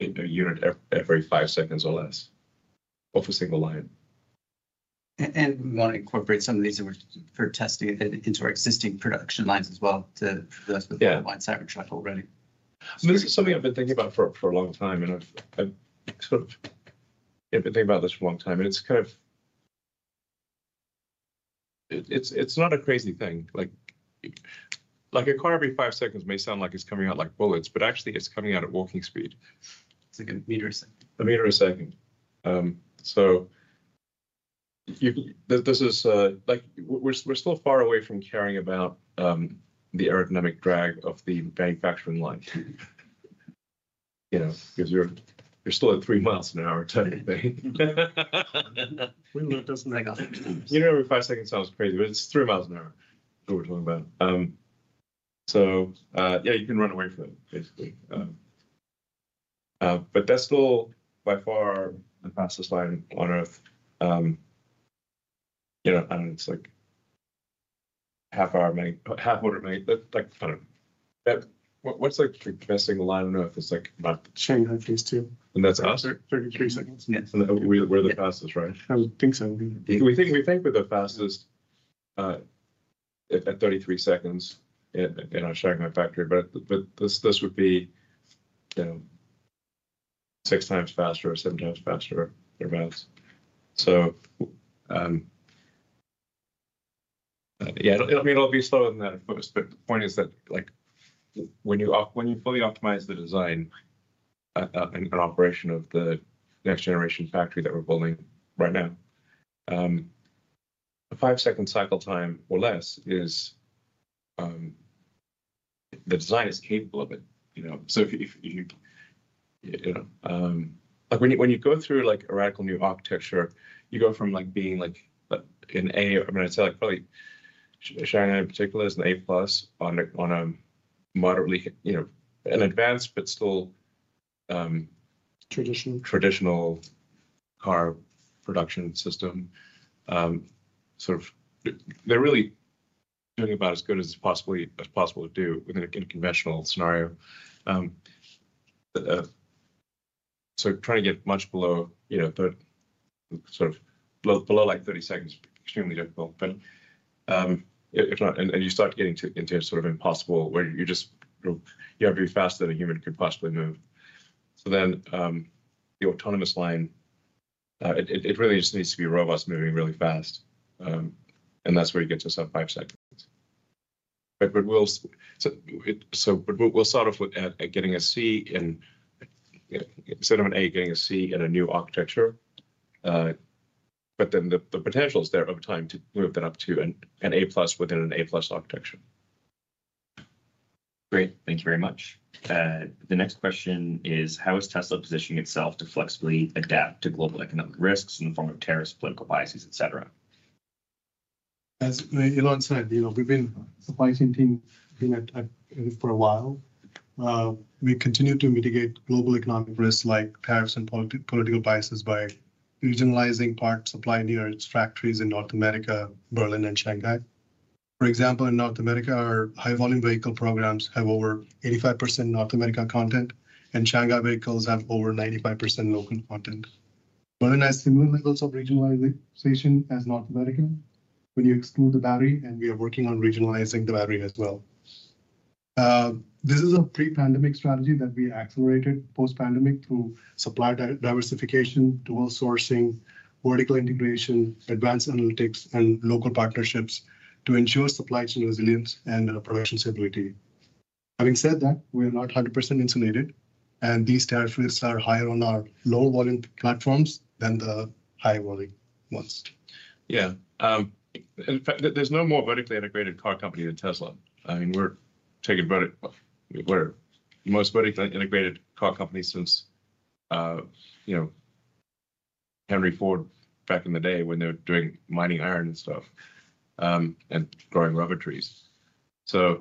a unit every five seconds or less, or for single line. We want to incorporate some of these for testing into our existing production lines as well to do that with the one Cybertruck already. I mean, this is something I've been thinking about for a long time. I've sort of been thinking about this for a long time. It is kind of—not a crazy thing. A car every five seconds may sound like it's coming out like bullets, but actually, it's coming out at walking speed. It's like a meter a second. A meter a second. This is—we're still far away from caring about the aerodynamic drag of the manufacturing line, because you're still at 3 miles an hour type of thing. We live just like us. You know, every five seconds sounds crazy, but it's 3 miles an hour that we're talking about. Yeah, you can run away from it, basically. That is still by far the fastest line on earth. I don't know. It's like half hour, half order maintenance, kind of. What's the best thing in line? I don't know if it's like about— Shanghai phase 2. And that's us? 33 seconds. Yes. And we're the fastest, right? I would think so. We think we're the fastest at 33 seconds in our Shanghai factory. This would be six times faster or seven times faster or less. Yeah, I mean, it'll be slower than that at first. The point is that when you fully optimize the design and operation of the next generation factory that we're building right now, a five-second cycle time or less is the design is capable of it. If you—when you go through a radical new architecture, you go from being an A—I mean, I'd say probably Shanghai in particular is an A-plus on a moderately advanced but still traditional car production system. Sort of they're really doing about as good as possible to do within a conventional scenario. Trying to get much below sort of below like 30 seconds is extremely difficult. You start getting into sort of impossible where you have to be faster than a human could possibly move. The autonomous line, it really just needs to be robust, moving really fast. That's where you get to sub-five seconds. We'll start off with getting a C instead of an A, getting a C in a new architecture. The potential is there over time to move that up to an A-plus within an A-plus architecture. Great. Thank you very much. The next question is, how is Tesla positioning itself to flexibly adapt to global economic risks in the form of tariffs, political biases, etc.? As Elon said, we've been a supply chain team for a while. We continue to mitigate global economic risks like tariffs and political biases by regionalizing parts supply near its factories in North America, Berlin, and Shanghai. For example, in North America, our high-volume vehicle programs have over 85% North America content, and Shanghai vehicles have over 95% local content. Berlin has similar levels of regionalization as North America when you exclude the battery, and we are working on regionalizing the battery as well. This is a pre-pandemic strategy that we accelerated post-pandemic through supplier diversification, dual sourcing, vertical integration, advanced analytics, and local partnerships to ensure supply chain resilience and production stability. Having said that, we are not 100% insulated, and these tariff rates are higher on our low-volume platforms than the high-volume ones. Yeah. In fact, there's no more vertically integrated car company than Tesla. I mean, we're the most vertically integrated car company since Henry Ford back in the day when they were doing mining iron and stuff and growing rubber trees. We are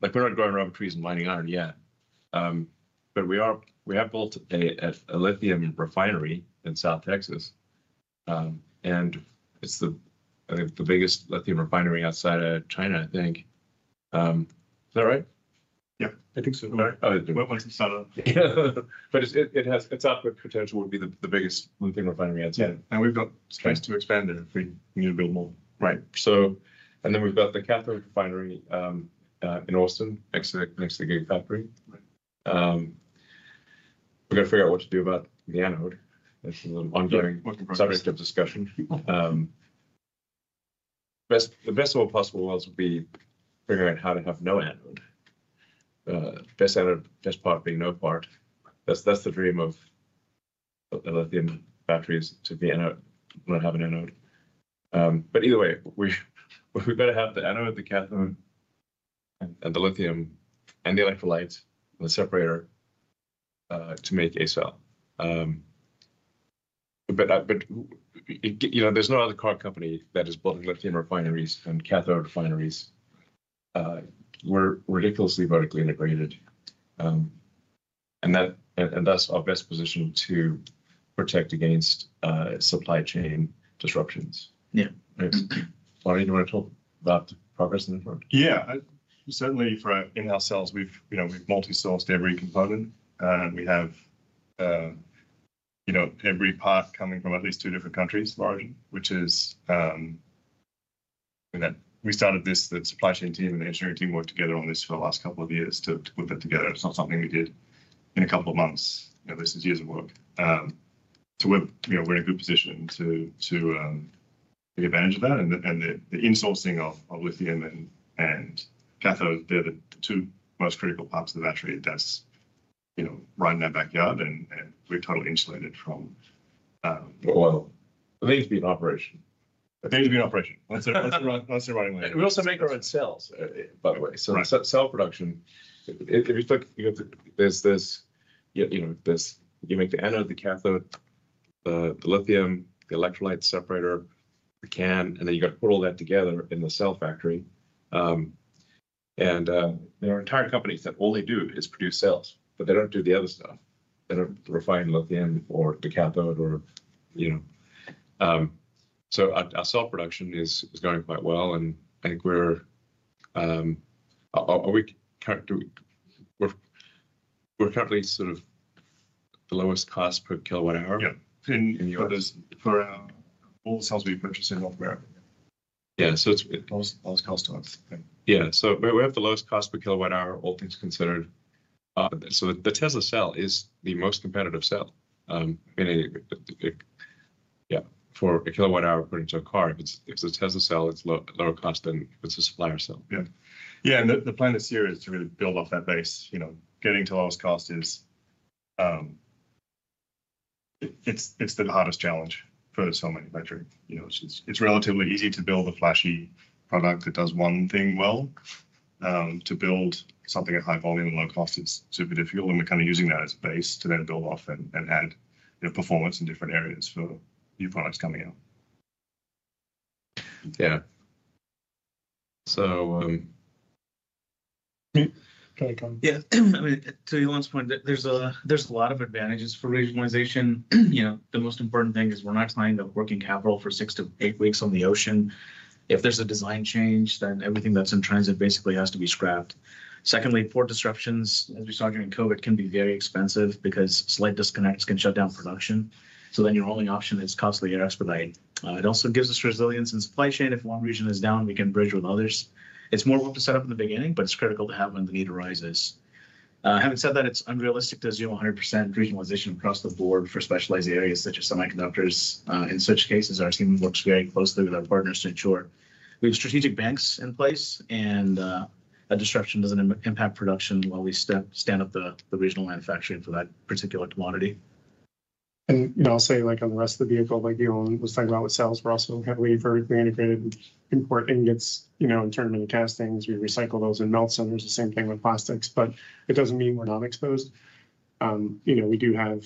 not growing rubber trees and mining iron yet. We have built a lithium refinery in South Texas, and it's the biggest lithium refinery outside of China, I think. Is that right? Yeah. I think so. What wasn't selling? But its output potential would be the biggest lithium refinery outside. We've got space to expand there if we need to build more. Right. We've got the cathode refinery in Austin next to the Gigafactory. We're going to figure out what to do about the anode. It's an ongoing subject of discussion. The best of all possible worlds would be figuring out how to have no anode. Best part being no part. That's the dream of the lithium batteries, to not have an anode. Either way, we better have the anode, the cathode, the lithium, the electrolytes, and the separator to make a cell. There's no other car company that has built lithium refineries and cathode refineries, ridiculously vertically integrated. That's our best position to protect against supply chain disruptions. Yeah. Anyone want to talk about the progress in the front? Yeah. Certainly, for our in-house cells, we've multi-sourced every component. We have every part coming from at least two different countries, large, which is we started this. The supply chain team and the engineering team worked together on this for the last couple of years to put that together. It's not something we did in a couple of months. This is years of work. We are in a good position to take advantage of that. The insourcing of lithium and cathodes, they're the two most critical parts of the battery that's right in our backyard, and we're totally insulated from. They need to be in operation. They need to be in operation. That's the right line. We also make our own cells, by the way. Cell production, if you look, there's this, you make the anode, the cathode, the lithium, the electrolyte separator, the can, and then you got to put all that together in the cell factory. There are entire companies that all they do is produce cells, but they don't do the other stuff. They don't refine lithium or the cathode or so our cell production is going quite well. I think we're currently sort of the lowest cost per kilowatt hour in the U.S. for all the cells we purchase in North America. Yeah. It's lowest cost to us. Yeah. We have the lowest cost per kilowatt hour, all things considered. The Tesla cell is the most competitive cell. Yeah. For a kilowatt hour put into a car, if it's a Tesla cell, it's lower cost than if it's a supplier cell. Yeah. Yeah. The plan this year is to really build off that base. Getting to lowest cost, it's the hardest challenge for the cell manufacturing. It's relatively easy to build a flashy product that does one thing well. To build something at high volume and low cost is super difficult. We're kind of using that as a base to then build off and add performance in different areas for new products coming out. Yeah. I mean, to Elon's point, there's a lot of advantages for regionalization. The most important thing is we're not tying up working capital for six to eight weeks on the ocean. If there's a design change, then everything that's in transit basically has to be scrapped. Secondly, port disruptions, as we saw during COVID, can be very expensive because slight disconnects can shut down production. Your only option is costly air expedite. It also gives us resilience in supply chain. If one region is down, we can bridge with others. It's more work to set up in the beginning, but it's critical to have when the need arises. Having said that, it's unrealistic to assume 100% regionalization across the board for specialized areas such as semiconductors. In such cases, our team works very closely with our partners to ensure we have strategic banks in place, and a disruption doesn't impact production while we stand up the regional manufacturing for that particular commodity. I'll say on the rest of the vehicle, like Elon was talking about with cells, we're also heavily vertically integrated. Import ingots, in terms of the castings, we recycle those in melts. There's the same thing with plastics. It doesn't mean we're not exposed. We do have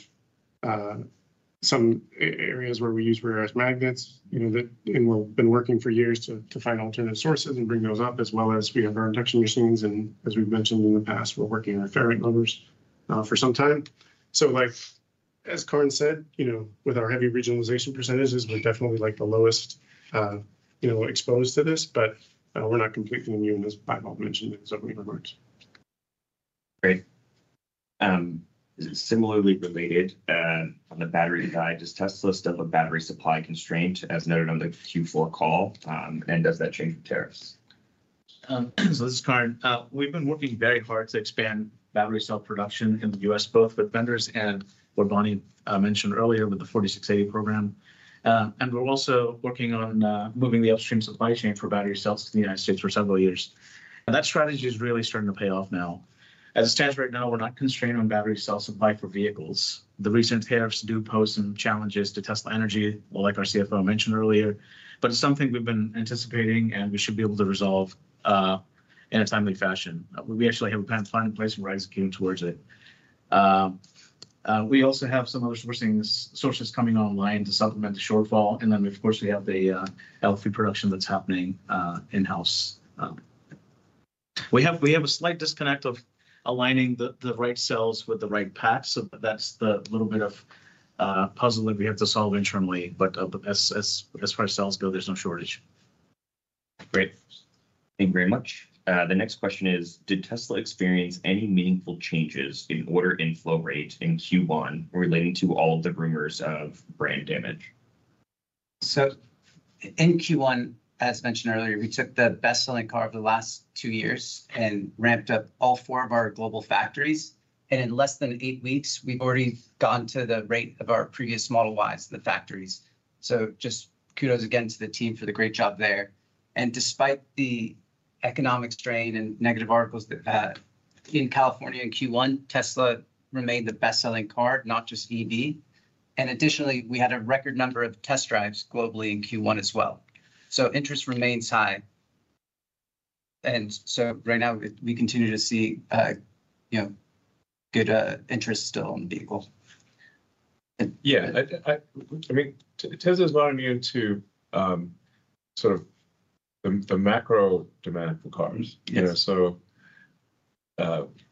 some areas where we use rear-array magnets, and we've been working for years to find alternative sources and bring those up, as well as we have our induction machines. As we've mentioned in the past, we're working on our ferrite numbers for some time. As Karn said, with our heavy regionalization percentages, we're definitely the lowest exposed to this, but we're not completely immune as I've mentioned in so many other words. Great. Similarly related, on the battery side, does Tesla still have a battery supply constraint, as noted on the Q4 call? Does that change with tariffs? This is Karn. We've been working very hard to expand battery cell production in the U.S., both with vendors and what Bonnie mentioned earlier with the 4680 program. We're also working on moving the upstream supply chain for battery cells to the United States for several years. That strategy is really starting to pay off now. As it stands right now, we're not constrained on battery cell supply for vehicles. The recent tariffs do pose some challenges to Tesla Energy, like our CFO mentioned earlier. It's something we've been anticipating, and we should be able to resolve in a timely fashion. We actually have a plan in place where we're executing towards it. We also have some other sources coming online to supplement the shortfall. Of course, we have the LFP production that's happening in-house. We have a slight disconnect of aligning the right cells with the right path. That's the little bit of puzzle that we have to solve internally. As far as cells go, there's no shortage. Great. Thank you very much. The next question is, did Tesla experience any meaningful changes in order inflow rate in Q1 relating to all of the rumors of brand damage? In Q1, as mentioned earlier, we took the best-selling car of the last two years and ramped up all four of our global factories. In less than eight weeks, we've already gone to the rate of our previous Model Ys in the factories. Just kudos again to the team for the great job there. Despite the economic strain and negative articles in California in Q1, Tesla remained the best-selling car, not just EV. Additionally, we had a record number of test drives globally in Q1 as well. Interest remains high. Right now, we continue to see good interest still in the vehicle. Yeah. I mean, Tesla is not immune to sort of the macro-demand for cars.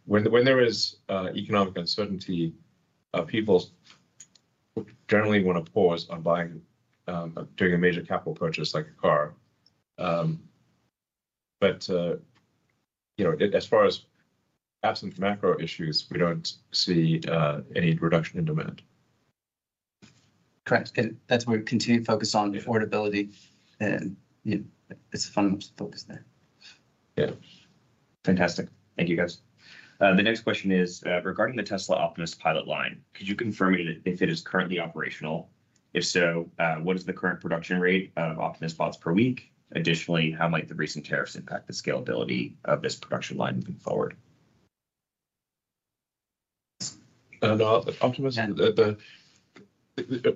When there is economic uncertainty, people generally want to pause on buying during a major capital purchase like a car. As far as absent macro issues, we do not see any reduction in demand. Correct. That is where we continue to focus on affordability. It is fun to focus there. Yeah. Fantastic. Thank you, guys. The next question is, regarding the Tesla Optimus pilot line, could you confirm if it is currently operational? If so, what is the current production rate of Optimus bots per week? Additionally, how might the recent tariffs impact the scalability of this production line moving forward?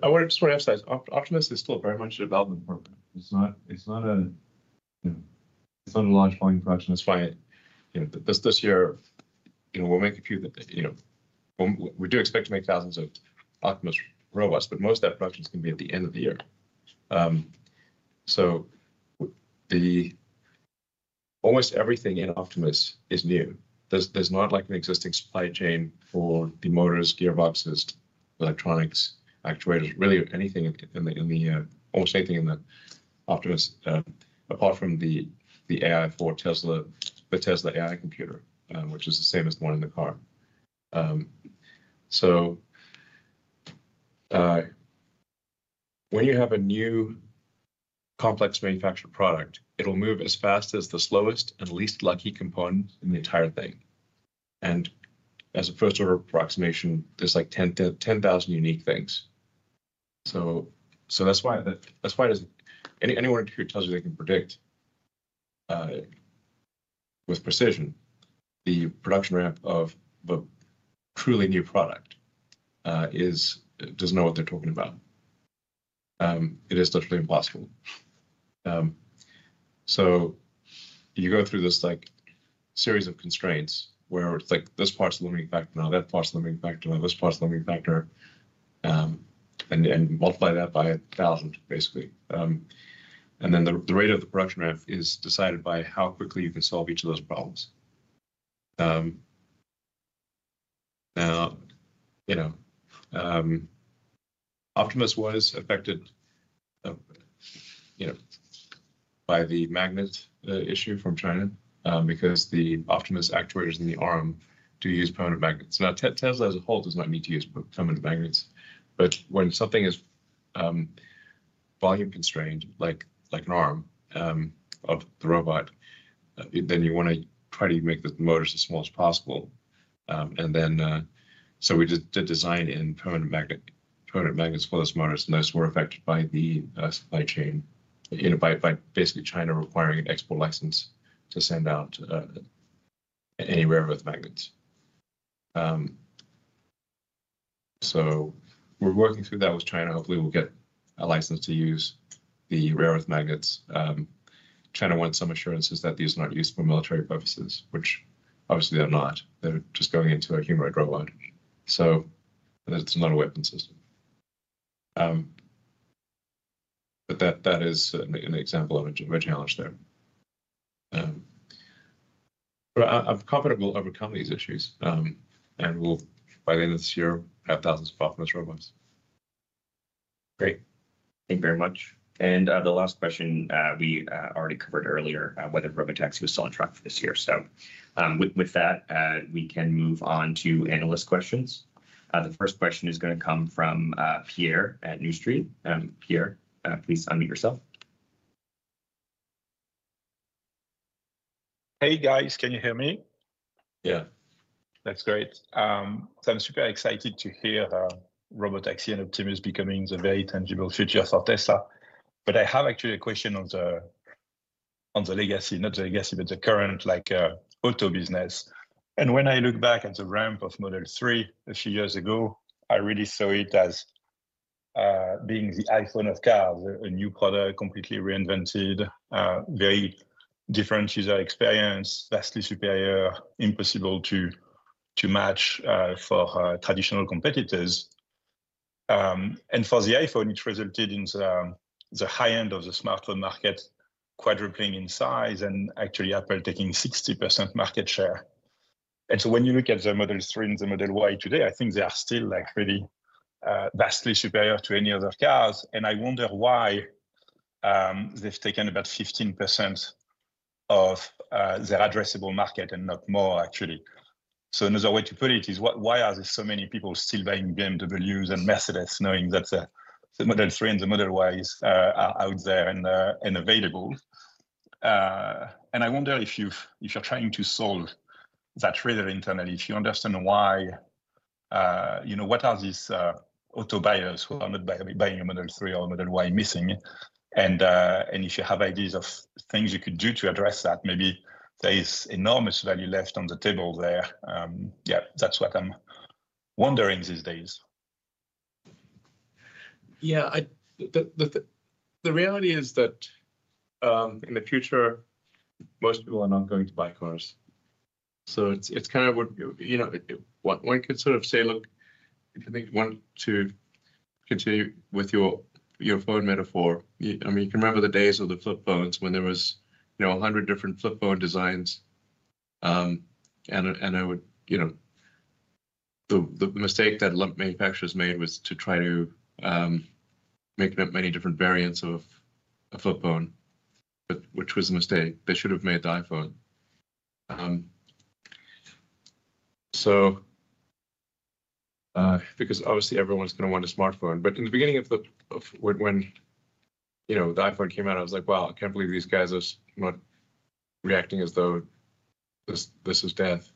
I want to just emphasize, Optimus is still very much a development program. It is not a large volume production that is quiet. This year, we will make a few. We do expect to make thousands of Optimus robots, but most of that production is going to be at the end of the year. Almost everything in Optimus is new. There's not an existing supply chain for the motors, gearboxes, electronics, actuators, really anything in the Optimus, apart from the Tesla AI computer, which is the same as the one in the car. When you have a new complex manufactured product, it'll move as fast as the slowest and least lucky component in the entire thing. As a first-order approximation, there's like 10,000 unique things. That's why anyone who tells you they can predict with precision the production ramp of a truly new product doesn't know what they're talking about. It is literally impossible. You go through this series of constraints where it's like this part's the limiting factor, now that part's the limiting factor, now this part's the limiting factor, and multiply that by 1,000, basically. The rate of the production ramp is decided by how quickly you can solve each of those problems. Optimus was affected by the magnet issue from China because the Optimus actuators in the arm do use permanent magnets. Tesla as a whole does not need to use permanent magnets. When something is volume constrained, like an arm of the robot, you want to try to make the motors as small as possible. We did design in permanent magnets for those motors, and those were affected by the supply chain by basically China requiring an export license to send out any rare earth magnets. We're working through that with China. Hopefully, we'll get a license to use the rare earth magnets. China wants some assurances that these are not used for military purposes, which obviously they're not. They're just going into a humanoid robot. It's not a weapon system. That is an example of a challenge there. I'm confident we'll overcome these issues, and we'll, by the end of this year, have thousands of Optimus robots. Great. Thank you very much. The last question we already covered earlier, whether Robotaxi was still on track for this year. With that, we can move on to analyst questions. The first question is going to come from Pierre at New Street. Pierre, please unmute yourself. Hey, guys, can you hear me? Yeah. That's great. I'm super excited to hear Robotaxi and Optimus becoming the very tangible future for Tesla. I have actually a question on the legacy, not the legacy, but the current auto business. When I look back at the ramp of Model 3 a few years ago, I really saw it as being the iPhone of cars, a new product, completely reinvented, very different user experience, vastly superior, impossible to match for traditional competitors. For the iPhone, it resulted in the high end of the smartphone market quadrupling in size and actually Apple taking 60% market share. When you look at the Model 3 and the Model Y today, I think they are still really vastly superior to any other cars. I wonder why they've taken about 15% of their addressable market and not more, actually. Another way to put it is, why are there so many people still buying BMWs and Mercedes knowing that the Model 3 and the Model Y are out there and available? I wonder if you're trying to solve that rather internally, if you understand why, what are these auto buyers who are not buying a Model 3 or a Model Y missing? If you have ideas of things you could do to address that, maybe there is enormous value left on the table there. That's what I'm wondering these days. The reality is that in the future, most people are not going to buy cars. It is kind of, one could sort of say, look, if you want to continue with your phone metaphor, I mean, you can remember the days of the flip phones when there were 100 different flip phone designs. The mistake that manufacturers made was to try to make many different variants of a flip phone, which was a mistake. They should have made the iPhone. Obviously, everyone's going to want a smartphone. In the beginning of when the iPhone came out, I was like, wow, I can't believe these guys are not reacting as though this is death.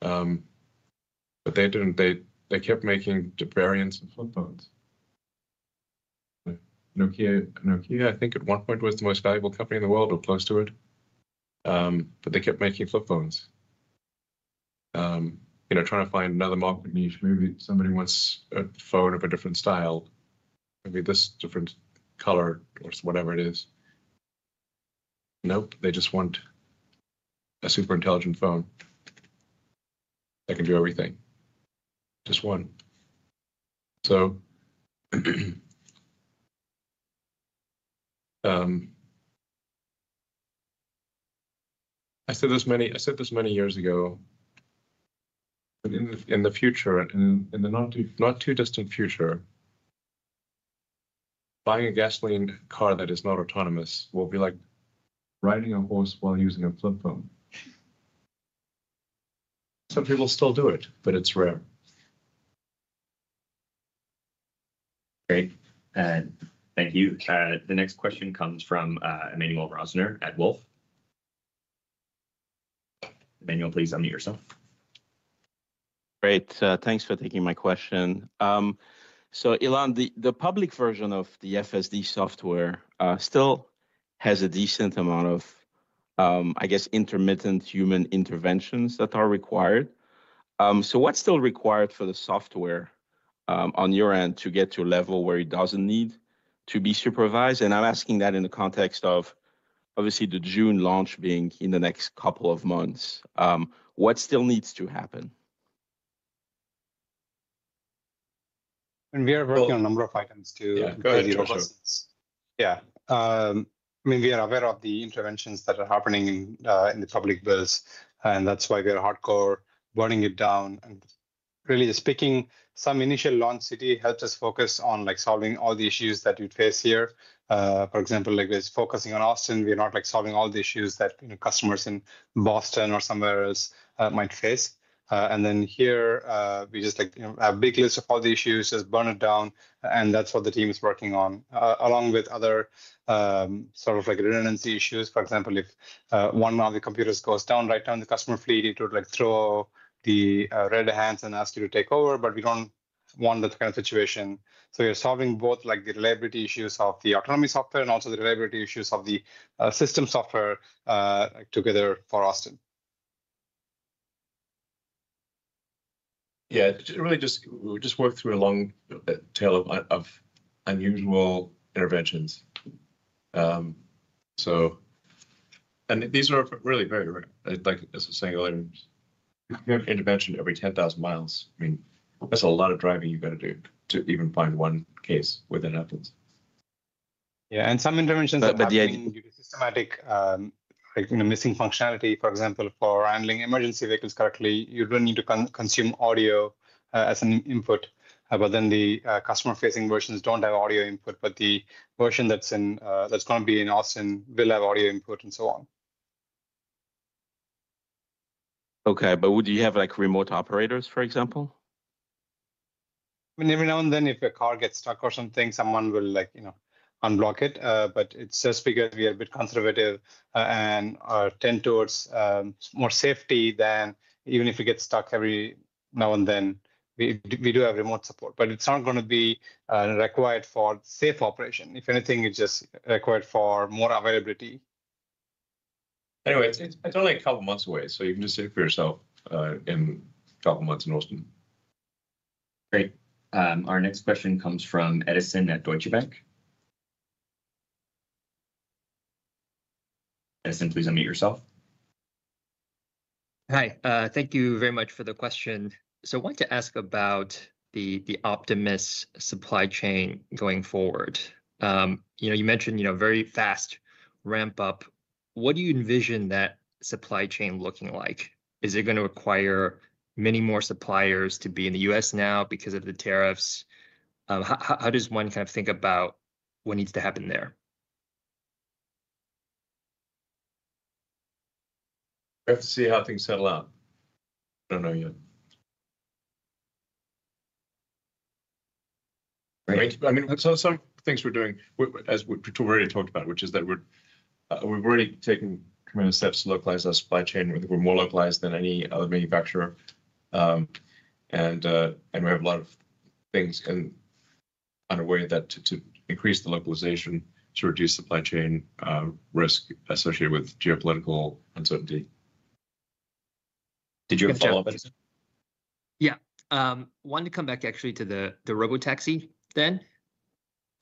They kept making variants of flip phones. Nokia, I think at one point was the most valuable company in the world or close to it. They kept making flip phones, trying to find another market niche. Maybe somebody wants a phone of a different style, maybe this different color or whatever it is. Nope, they just want a super intelligent phone that can do everything. Just one. I said this many years ago, in the future, in the not too distant future, buying a gasoline car that is not autonomous will be like riding a horse while using a flip phone. Some people still do it, but it's rare. Great. Thank you. The next question comes from Emmanuel Rosner at Wolfe Research. Emmanuel, please unmute yourself. Great. Thanks for taking my question. Elon, the public version of the FSD software still has a decent amount of, I guess, intermittent human interventions that are required. What's still required for the software on your end to get to a level where it doesn't need to be supervised? I'm asking that in the context of, obviously, the June launch being in the next couple of months. What still needs to happen? We are working on a number of items too. Yeah. I mean, we are aware of the interventions that are happening in the public builds. That is why we are hardcore burning it down. Really speaking, some initial launch city helped us focus on solving all the issues that you'd face here. For example, like we're focusing on Austin, we're not solving all the issues that customers in Boston or somewhere else might face. Here, we just have a big list of all the issues, just burn it down. That is what the team is working on, along with other sort of redundancy issues. For example, if one of the computers goes down, right down the customer fleet, it would throw the red hands and ask you to take over. We do not want that kind of situation. We're solving both the reliability issues of the autonomy software and also the reliability issues of the system software together for Austin. Yeah. We just worked through a long tail of unusual interventions. These are really very rare. As I was saying earlier, intervention every 10,000 miles. I mean, that's a lot of driving you've got to do to even find one case within Austin's. Yeah. Some interventions are systematic missing functionality, for example, for handling emergency vehicles correctly. You don't need to consume audio as an input. The customer-facing versions don't have audio input. The version that's going to be in Austin will have audio input and so on. Okay. Would you have remote operators, for example? I mean, every now and then, if a car gets stuck or something, someone will unblock it. It is just because we are a bit conservative and tend towards more safety than even if it gets stuck every now and then, we do have remote support. It is not going to be required for safe operation. If anything, it is just required for more availability. Anyway, it is only a couple of months away. You can just see for yourself in a couple of months in Austin. Great. Our next question comes from Edison at Deutsche Bank. Edison, please unmute yourself. Hi. Thank you very much for the question. I want to ask about the Optimus supply chain going forward. You mentioned very fast ramp-up. What do you envision that supply chain looking like? Is it going to require many more suppliers to be in the U.S. now because of the tariffs? How does one kind of think about what needs to happen there? We have to see how things settle out. I don't know yet. I mean, some things we're doing, as we've already talked about, which is that we've already taken command steps to localize our supply chain. We're more localized than any other manufacturer. We have a lot of things underway to increase the localization to reduce supply chain risk associated with geopolitical uncertainty. Did you have a follow-up, Edison? Yeah. I wanted to come back actually to the Robotaxi then.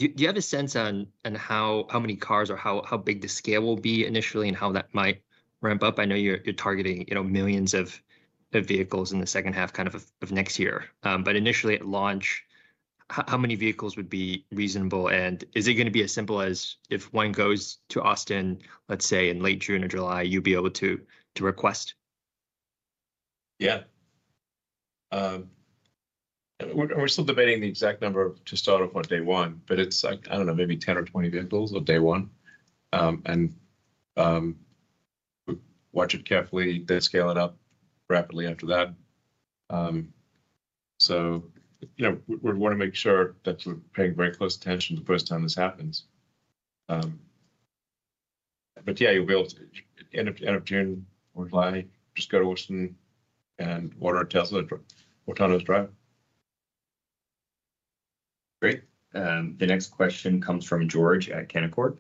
Do you have a sense on how many cars or how big the scale will be initially and how that might ramp up? I know you're targeting millions of vehicles in the second half kind of of next year. Initially, at launch, how many vehicles would be reasonable? Is it going to be as simple as if one goes to Austin, let's say, in late June or July, you'd be able to request? Yeah. We're still debating the exact number to start off on day one. It's, I don't know, maybe 10 or 20 vehicles on day one. We watch it carefully. They scale it up rapidly after that. We want to make sure that we're paying very close attention the first time this happens. Yeah, you'll be able to end of June or July, just go to Austin and order a Tesla or autonomous drive. Great. The next question comes from George at Canaccord.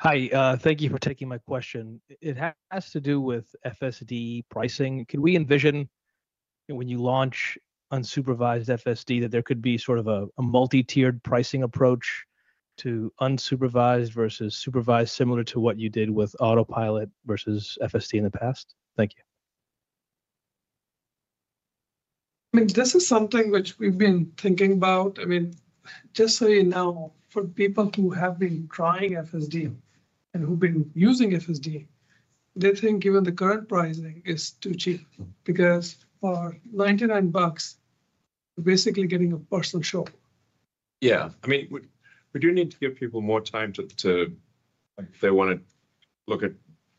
Hi. Thank you for taking my question. It has to do with FSD pricing. Could we envision when you launch unsupervised FSD that there could be sort of a multi-tiered pricing approach to unsupervised versus supervised similar to what you did with Autopilot versus FSD in the past? Thank you. I mean, this is something which we've been thinking about. I mean, just so you know, for people who have been trying FSD and who've been using FSD, they think given the current pricing is too cheap because for $99, you're basically getting a personal show. Yeah. I mean, we do need to give people more time to if they want to look at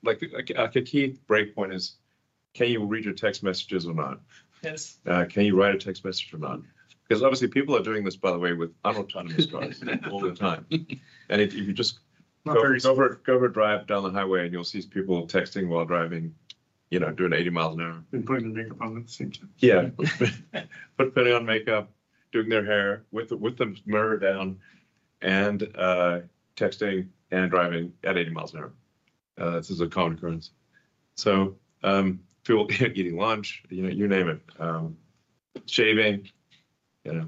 a key breakpoint is, can you read your text messages or not? Can you write a text message or not? Because obviously, people are doing this, by the way, with un-autonomous drivers all the time. If you just go for a drive down the highway, you'll see people texting while driving, doing 80 miles an hour, and putting on makeup at the same time. Yeah, putting on makeup, doing their hair with the mirror down, and texting and driving at 80 miles an hour. This is a common occurrence. Eating lunch, you name it. Shaving. Anyway,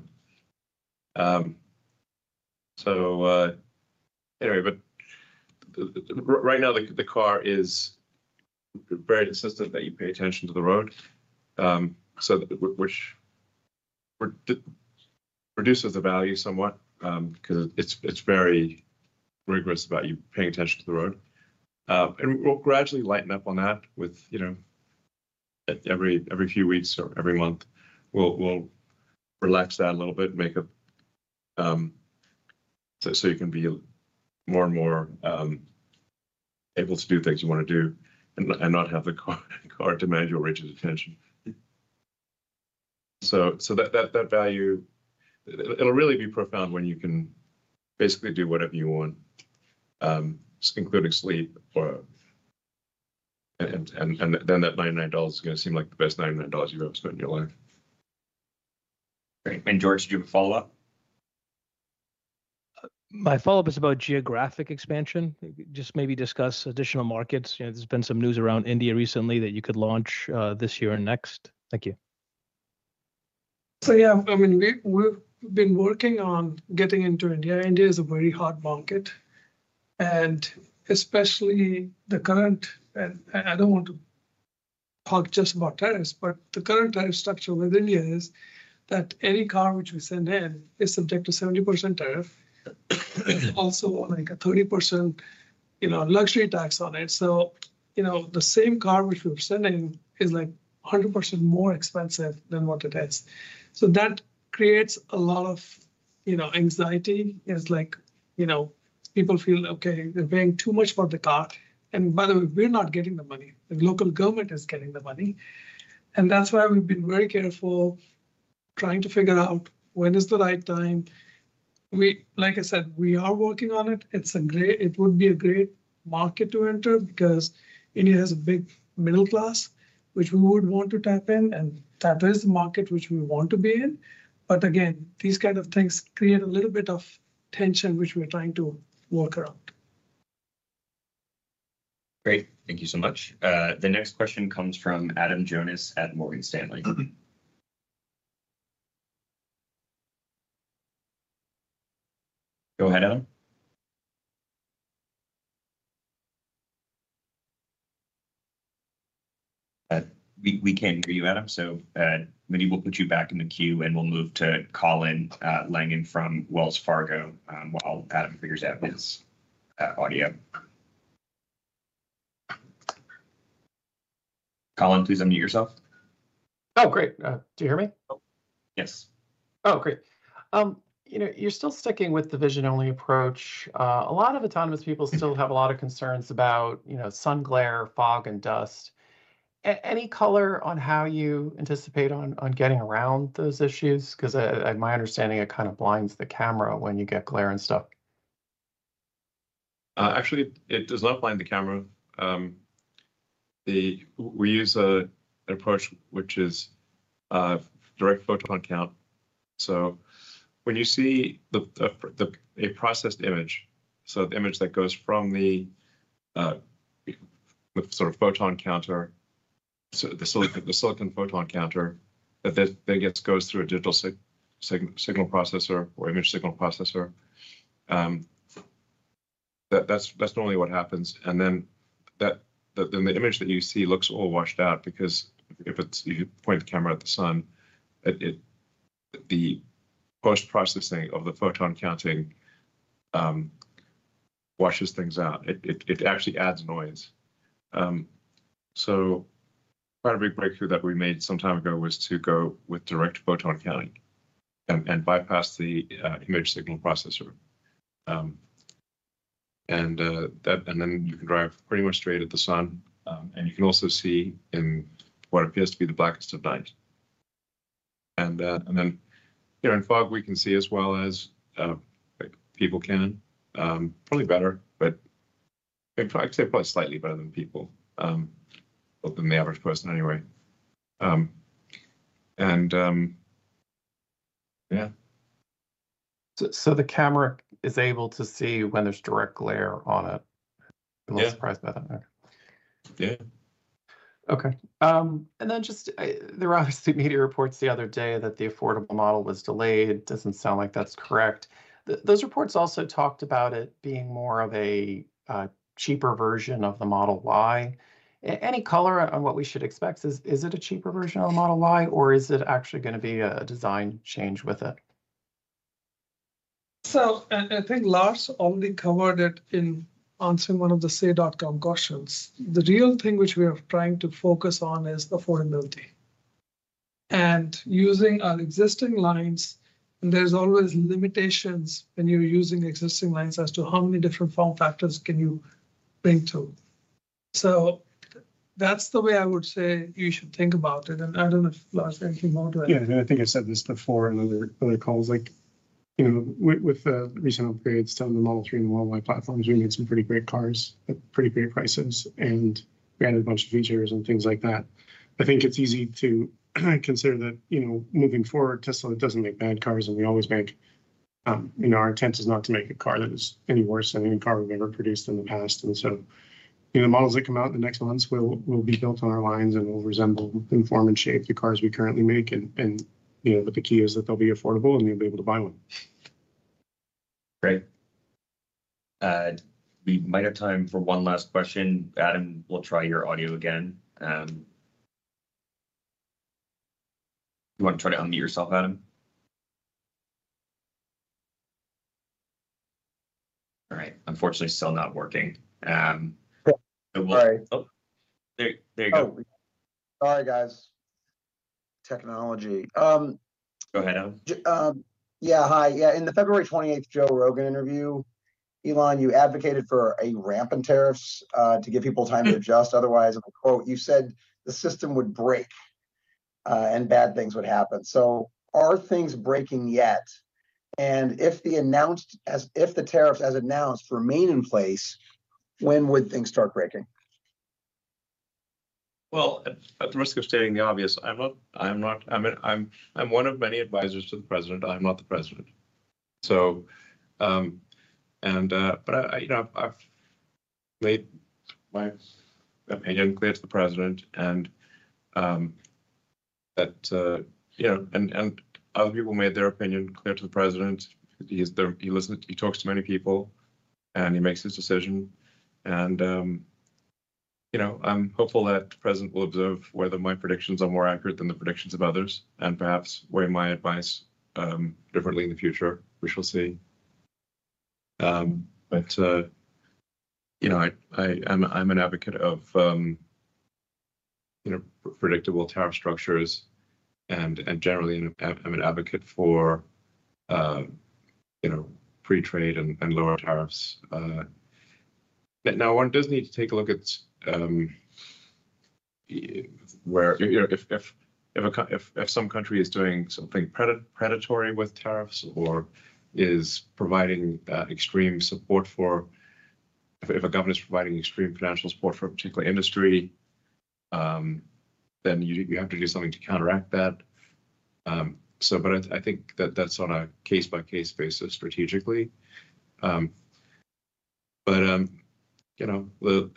right now, the car is very insistent that you pay attention to the road, which reduces the value somewhat because it's very rigorous about you paying attention to the road. We'll gradually lighten up on that every few weeks or every month. We'll relax that a little bit, make it so you can be more and more able to do things you want to do and not have the car demand your rigid attention. That value, it'll really be profound when you can basically do whatever you want, including sleep. And then that $99 is going to seem like the best $99 you've ever spent in your life. Great. George, did you have a follow-up? My follow-up is about geographic expansion. Just maybe discuss additional markets. There's been some news around India recently that you could launch this year and next. Thank you. Yeah, I mean, we've been working on getting into India. India is a very hot market. Especially the current, and I don't want to talk just about tariffs, but the current tariff structure with India is that any car which we send in is subject to 70% tariff. It's also like a 30% luxury tax on it. So the same car which we're sending is like 100% more expensive than what it is. That creates a lot of anxiety as people feel, okay, they're paying too much for the car. By the way, we're not getting the money. The local government is getting the money. That is why we've been very careful trying to figure out when is the right time. Like I said, we are working on it. It would be a great market to enter because India has a big middle class, which we would want to tap in. That is the market which we want to be in. Again, these kinds of things create a little bit of tension, which we're trying to work around. Great. Thank you so much. The next question comes from Adam Jonas at Morgan Stanley. Go ahead, Adam. We can't hear you, Adam. Maybe we'll put you back in the queue, and we'll move to Colin Langan from Wells Fargo while Adam figures out his audio. Colin, please unmute yourself. Oh, great. Do you hear me? Yes. Oh, great. You're still sticking with the vision-only approach. A lot of autonomous people still have a lot of concerns about sun glare, fog, and dust. Any color on how you anticipate on getting around those issues? Because my understanding, it kind of blinds the camera when you get glare and stuff. Actually, it does not blind the camera. We use an approach which is direct photon count. When you see a processed image, so the image that goes from the sort of photon counter, the silicon photon counter, that then goes through a digital signal processor or image signal processor, that's normally what happens. The image that you see looks all washed out because if you point the camera at the sun, the post-processing of the photon counting washes things out. It actually adds noise. Quite a big breakthrough that we made some time ago was to go with direct photon counting and bypass the image signal processor. You can drive pretty much straight at the sun. You can also see in what appears to be the blackest of night. Here in fog, we can see as well as people can. Probably better, but I'd say probably slightly better than people, than the average person anyway. The camera is able to see when there's direct glare on it. I'm not surprised by that. Okay. There were obviously media reports the other day that the affordable model was delayed. Doesn't sound like that's correct. Those reports also talked about it being more of a cheaper version of the Model Y. Any color on what we should expect? Is it a cheaper version of the Model Y, or is it actually going to be a design change with it? I think Lars already covered it in answering one of the saytechnologies.com questions. The real thing which we are trying to focus on is affordability. Using our existing lines, there's always limitations when you're using existing lines as to how many different form factors you can bring through. That's the way I would say you should think about it. I don't know if Lars had anything more to add. Yeah. I think I said this before in other calls. With the recent upgrades to the Model 3 and the Model Y platforms, we made some pretty great cars at pretty great prices. We added a bunch of features and things like that. I think it's easy to consider that moving forward, Tesla doesn't make bad cars. We always make our intent is not to make a car that is any worse than any car we've ever produced in the past. The models that come out in the next months will be built on our lines, and will resemble in form and shape the cars we currently make. The key is that they'll be affordable, and you'll be able to buy one. Great. We might have time for one last question. Adam, we'll try your audio again. Do you want to try to unmute yourself, Adam? All right. Unfortunately, still not working. Oh, sorry. There you go. Sorry, guys. Technology. Go ahead, Adam. Yeah. Hi. Yeah. In the February 28th Joe Rogan interview, Elon, you advocated for a ramp in tariffs to give people time to adjust. Otherwise, you said the system would break and bad things would happen. Are things breaking yet? If the tariffs as announced remain in place, when would things start breaking? At the risk of stating the obvious, I'm not. I mean, I'm one of many advisors to the president. I'm not the president. I've made my opinion clear to the president. Other people made their opinion clear to the president. He talks to many people, and he makes his decision. I'm hopeful that the president will observe whether my predictions are more accurate than the predictions of others and perhaps weigh my advice differently in the future. We shall see. I'm an advocate of predictable tariff structures. Generally, I'm an advocate for free trade and lower tariffs. Now, one does need to take a look at where if some country is doing something predatory with tariffs or is providing extreme support for, if a government is providing extreme financial support for a particular industry, then you have to do something to counteract that. I think that that's on a case-by-case basis strategically. The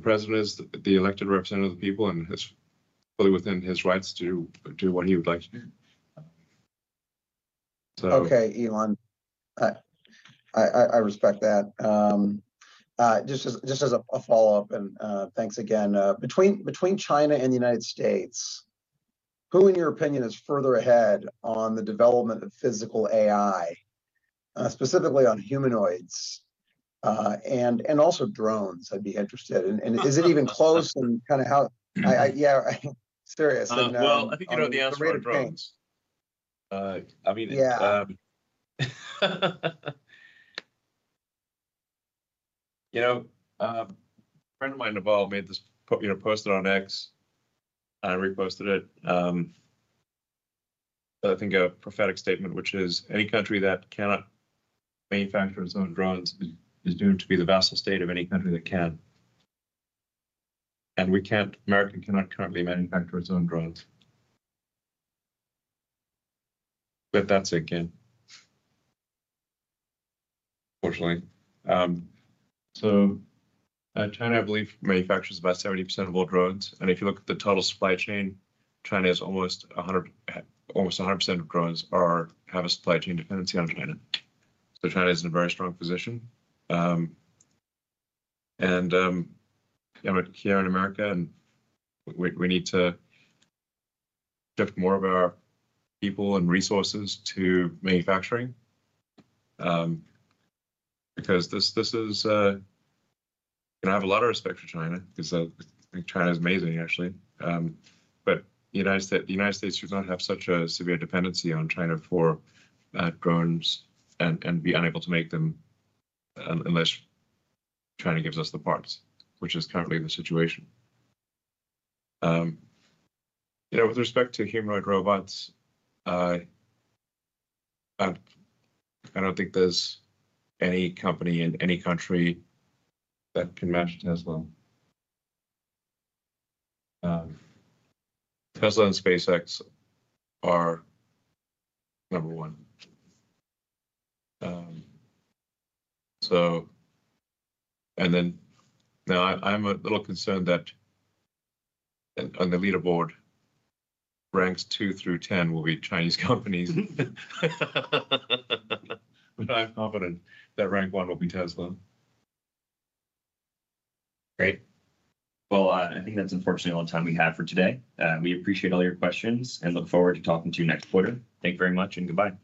president is the elected representative of the people, and it's fully within his rights to do what he would like to do. Okay, Elon. I respect that. Just as a follow-up, and thanks again. Between China and the United States, who in your opinion is further ahead on the development of physical AI, specifically on humanoids and also drones? I'd be interested. Is it even close in kind of how? Yeah. Serious. I think you know the answer for drones. I mean, a friend of mine involved made this posted on X. I reposted it. I think a prophetic statement, which is, "Any country that cannot manufacture its own drones is doomed to be the vassal state of any country that can." America cannot currently manufacture its own drones. That is it, again. Unfortunately. China, I believe, manufactures about 70% of all drones. If you look at the total supply chain, China is almost 100% of drones have a supply chain dependency on China. China is in a very strong position. Here in America, we need to shift more of our people and resources to manufacturing because this is I have a lot of respect for China because I think China is amazing, actually. The United States should not have such a severe dependency on China for drones and be unable to make them unless China gives us the parts, which is currently the situation. With respect to humanoid robots, I don't think there's any company in any country that can match Tesla. Tesla and SpaceX are number one. Now, I'm a little concerned that on the leaderboard, ranks 2 through 10 will be Chinese companies. I'm confident that rank one will be Tesla. Great. I think that's, unfortunately, all the time we have for today. We appreciate all your questions and look forward to talking to you next quarter. Thank you very much, and goodbye.